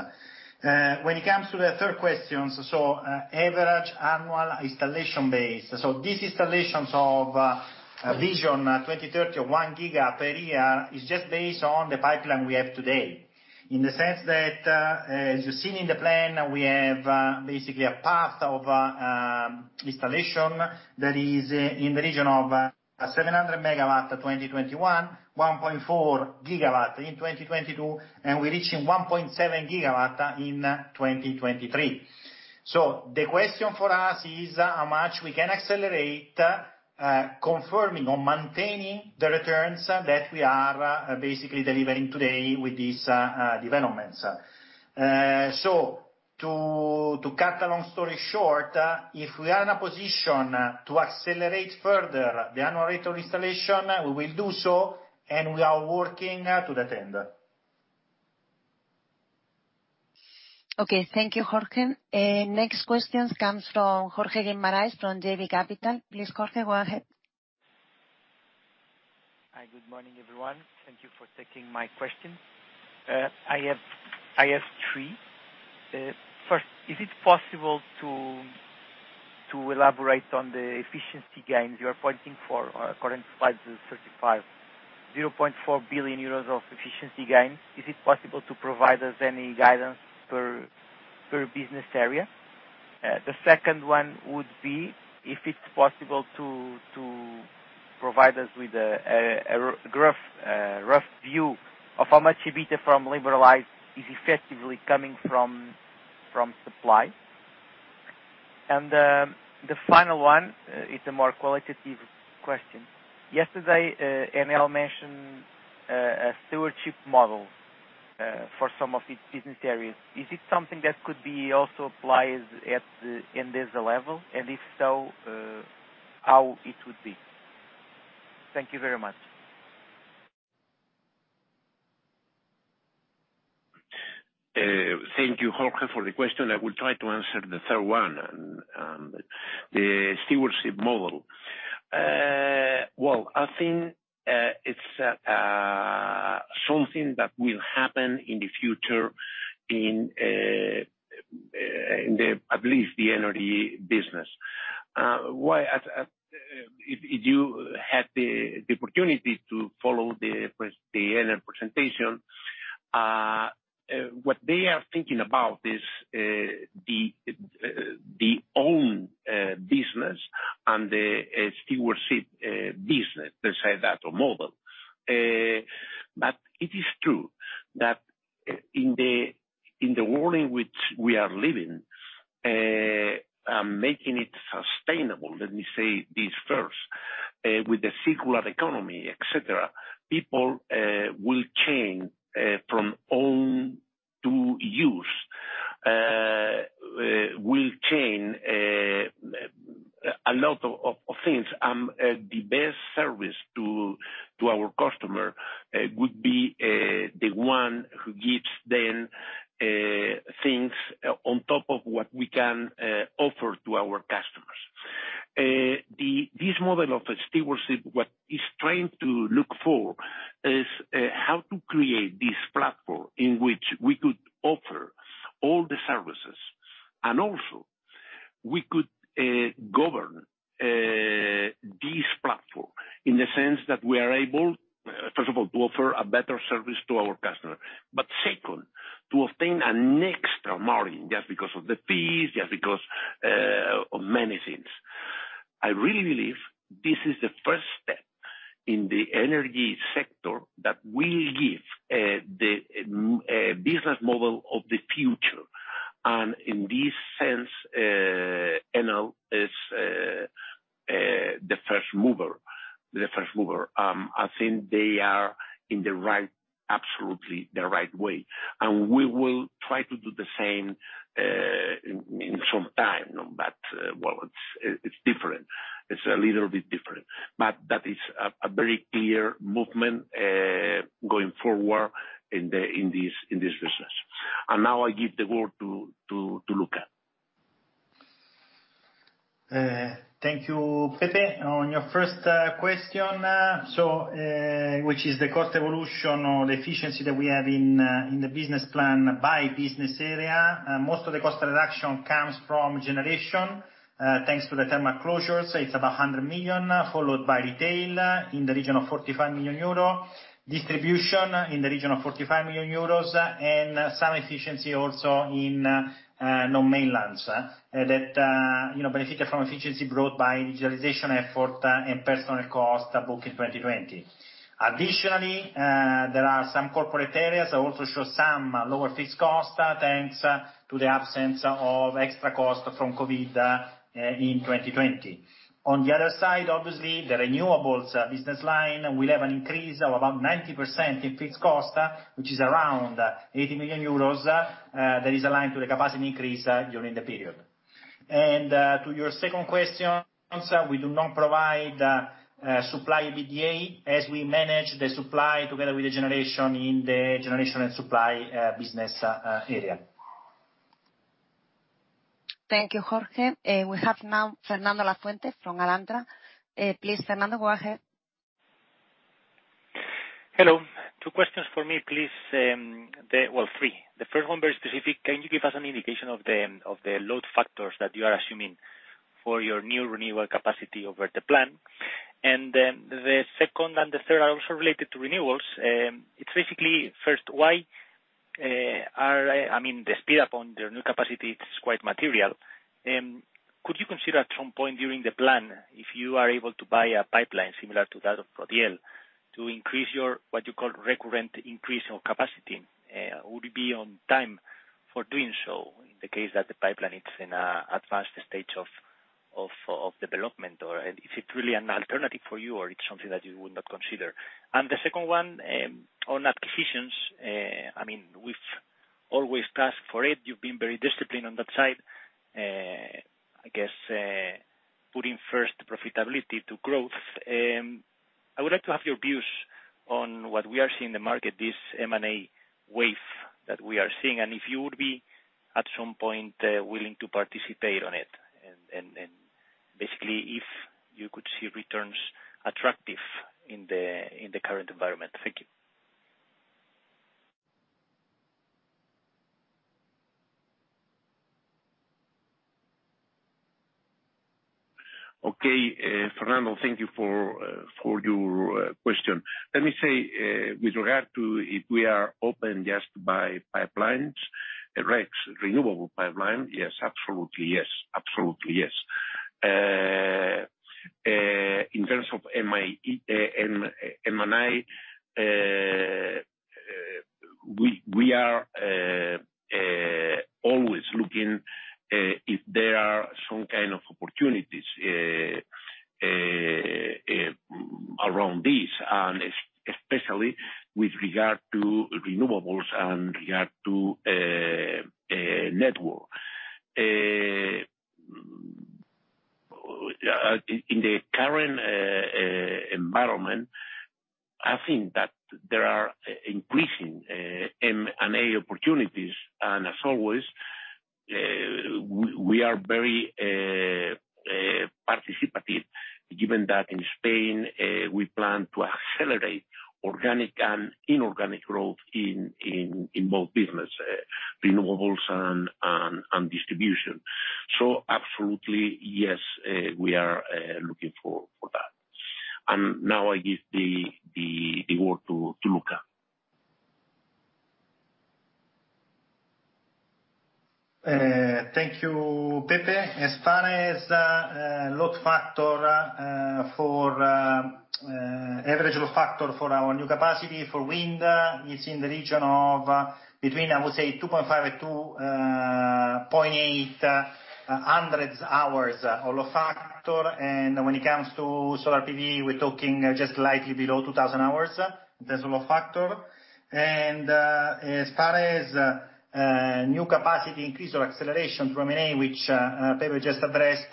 Speaker 3: When it comes to the third question, so average annual installation base. So this installation of Vision 2030 of 1 giga per year is just based on the pipeline we have today, in the sense that as you've seen in the plan, we have basically a path of installation that is in the region of 700 MW 2021, 1.4 GW in 2022, and we're reaching 1.7 GW in 2023. So the question for us is how much we can accelerate confirming or maintaining the returns that we are basically delivering today with these developments. So to cut a long story short, if we are in a position to accelerate further the annual rate of installation, we will do so, and we are working to that end.
Speaker 1: Okay, thank you, Jorge. Next question comes from Jorge Guimarães from JB Capital. Please, Jorge, go ahead.
Speaker 13: Hi, good morning, everyone. Thank you for taking my question. I have three. First, is it possible to elaborate on the efficiency gains you are pointing to for the current 5-35? 0.4 billion euros of efficiency gains. Is it possible to provide us any guidance per business area? The second one would be if it's possible to provide us with a rough view of how much EBITDA from liberalized is effectively coming from supply. And the final one, it's a more qualitative question. Yesterday, Enel mentioned a stewardship model for some of its business areas. Is it something that could be also applied at the Endesa level? And if so, how it would be? Thank you very much.
Speaker 2: Thank you, Jorge, for the question. I will try to answer the third one, the stewardship model. Well, I think it's something that will happen in the future in at least the energy business. If you had the opportunity to follow the Enel presentation, what they are thinking about is the own business and the stewardship business, let's say that, or model. But it is true that in the world in which we are living, making it sustainable, let me say this first, with the circular economy, etc., people will change from own to use, will change a lot of things. And the best service to our customer would be the one who gives them things on top of what we can offer to our customers. This model of stewardship, what it's trying to look for is how to create this platform in which we could offer all the services. And also, we could govern this platform in the sense that we are able, first of all, to offer a better service to our customers. But second, to obtain an extra margin just because of the fees, just because of many things. I really believe this is the first step in the energy sector that will give the business model of the future. And in this sense, Enel is the first mover. I think they are in the right, absolutely the right way. And we will try to do the same in some time, but, well, it's different. It's a little bit different. But that is a very clear movement going forward in this business. And now I give the word to Luca.
Speaker 3: Thank you, Pepe. On your first question, which is the cost evolution or the efficiency that we have in the business plan by business area, most of the cost reduction comes from generation thanks to the thermal closures. It's about 100 million, followed by retail in the region of 45 million euros, distribution in the region of 45 million euros, and some efficiency also in non-mainlands that benefited from efficiency brought by digitalization effort and personal cost book in 2020. Additionally, there are some corporate areas that also show some lower fixed cost thanks to the absence of extra cost from COVID in 2020. On the other side, obviously, the renewables business line will have an increase of about 90% in fixed cost, which is around 80 million euros that is aligned to the capacity increase during the period. And to your second question, we do not provide supply EBITDA as we manage the supply together with the generation in the generation and supply business area.
Speaker 1: Thank you, Jorge. We have now Fernando Lafuente from Alantra. Please, Fernando, go ahead.
Speaker 14: Hello. Two questions for me, please. Three. The first one, very specific. Can you give us an indication of the load factors that you are assuming for your new renewable capacity over the plan? And the second and the third are also related to renewables. It's basically, first, why are I mean, the speed up on the new capacity is quite material. Could you consider at some point during the plan, if you are able to buy a pipeline similar to that of Prodiel, to increase your what you call recurrent increase of capacity? Would it be on time for doing so in the case that the pipeline is in an advanced stage of development? Or is it really an alternative for you, or it's something that you would not consider? And the second one, on acquisitions, I mean, we've always asked for it. You've been very disciplined on that side. I guess putting first profitability to growth. I would like to have your views on what we are seeing in the market, this M&A wave that we are seeing, and if you would be at some point willing to participate on it, and basically if you could see returns attractive in the current environment. Thank you.
Speaker 2: Okay, Fernando, thank you for your question. Let me say with regard to if we are open just by pipelines, renewable pipeline, yes, absolutely, yes, absolutely, yes. In terms of M&A, we are always looking if there are some kind of opportunities around these, and especially with regard to renewables and regard to network. In the current environment, I think that there are increasing M&A opportunities, and as always, we are very participative, given that in Spain, we plan to accelerate organic and inorganic growth in both business, renewables and distribution. So absolutely, yes, we are looking for that. And now I give the word to Luca.
Speaker 3: Thank you, Pepe. As far as load factor for average load factor for our new capacity for wind, it's in the region of between, I would say, 2,500 to 2,800 hours of load factor. And when it comes to solar PV, we're talking just slightly below 2,000 hours in terms of load factor. And as far as new capacity increase or acceleration to M&A, which Pepe just addressed,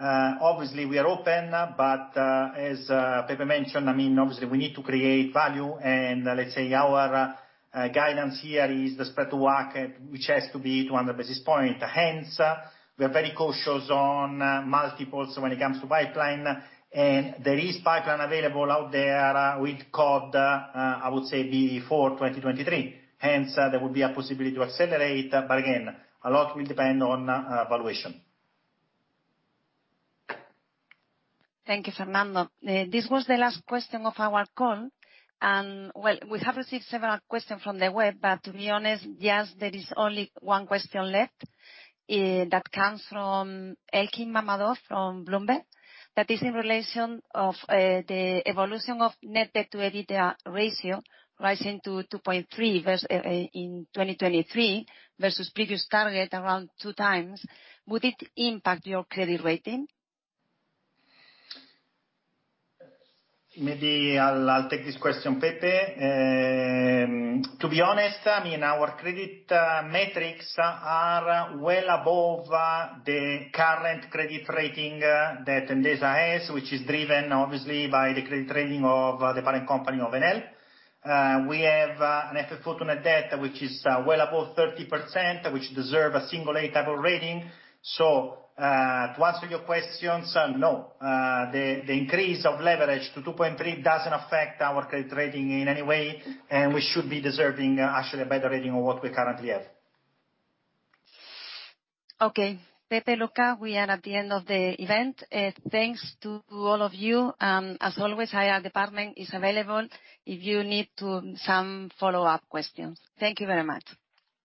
Speaker 3: obviously, we are open, but as Pepe mentioned, I mean, obviously, we need to create value. And let's say our guidance here is the spread to market, which has to be 200 basis points. Hence, we are very cautious on multiples when it comes to pipeline. And there is pipeline available out there with good, I would say, before 2023. Hence, there would be a possibility to accelerate, but again, a lot will depend on valuation.
Speaker 1: Thank you, Fernando. This was the last question of our call. We have received several questions from the web, but to be honest, just there is only one question left that comes from Elchin Mammadov from Bloomberg that is in relation to the evolution of net debt to EBITDA ratio rising to 2.3 in 2023 versus previous target around two times. Would it impact your credit rating?
Speaker 3: Maybe I'll take this question, Pepe. To be honest, I mean, our credit metrics are well above the current credit rating that Endesa has, which is driven, obviously, by the credit rating of the parent company of Enel. We have an FFO to debt, which is well above 30%, which deserves a single A type of rating. So to answer your question, no, the increase of leverage to 2.3 doesn't affect our credit rating in any way, and we should be deserving actually a better rating of what we currently have.
Speaker 1: Okay. Pepe, Luca, we are at the end of the event. Thanks to all of you. As always, our department is available if you need some follow-up questions. Thank you very much.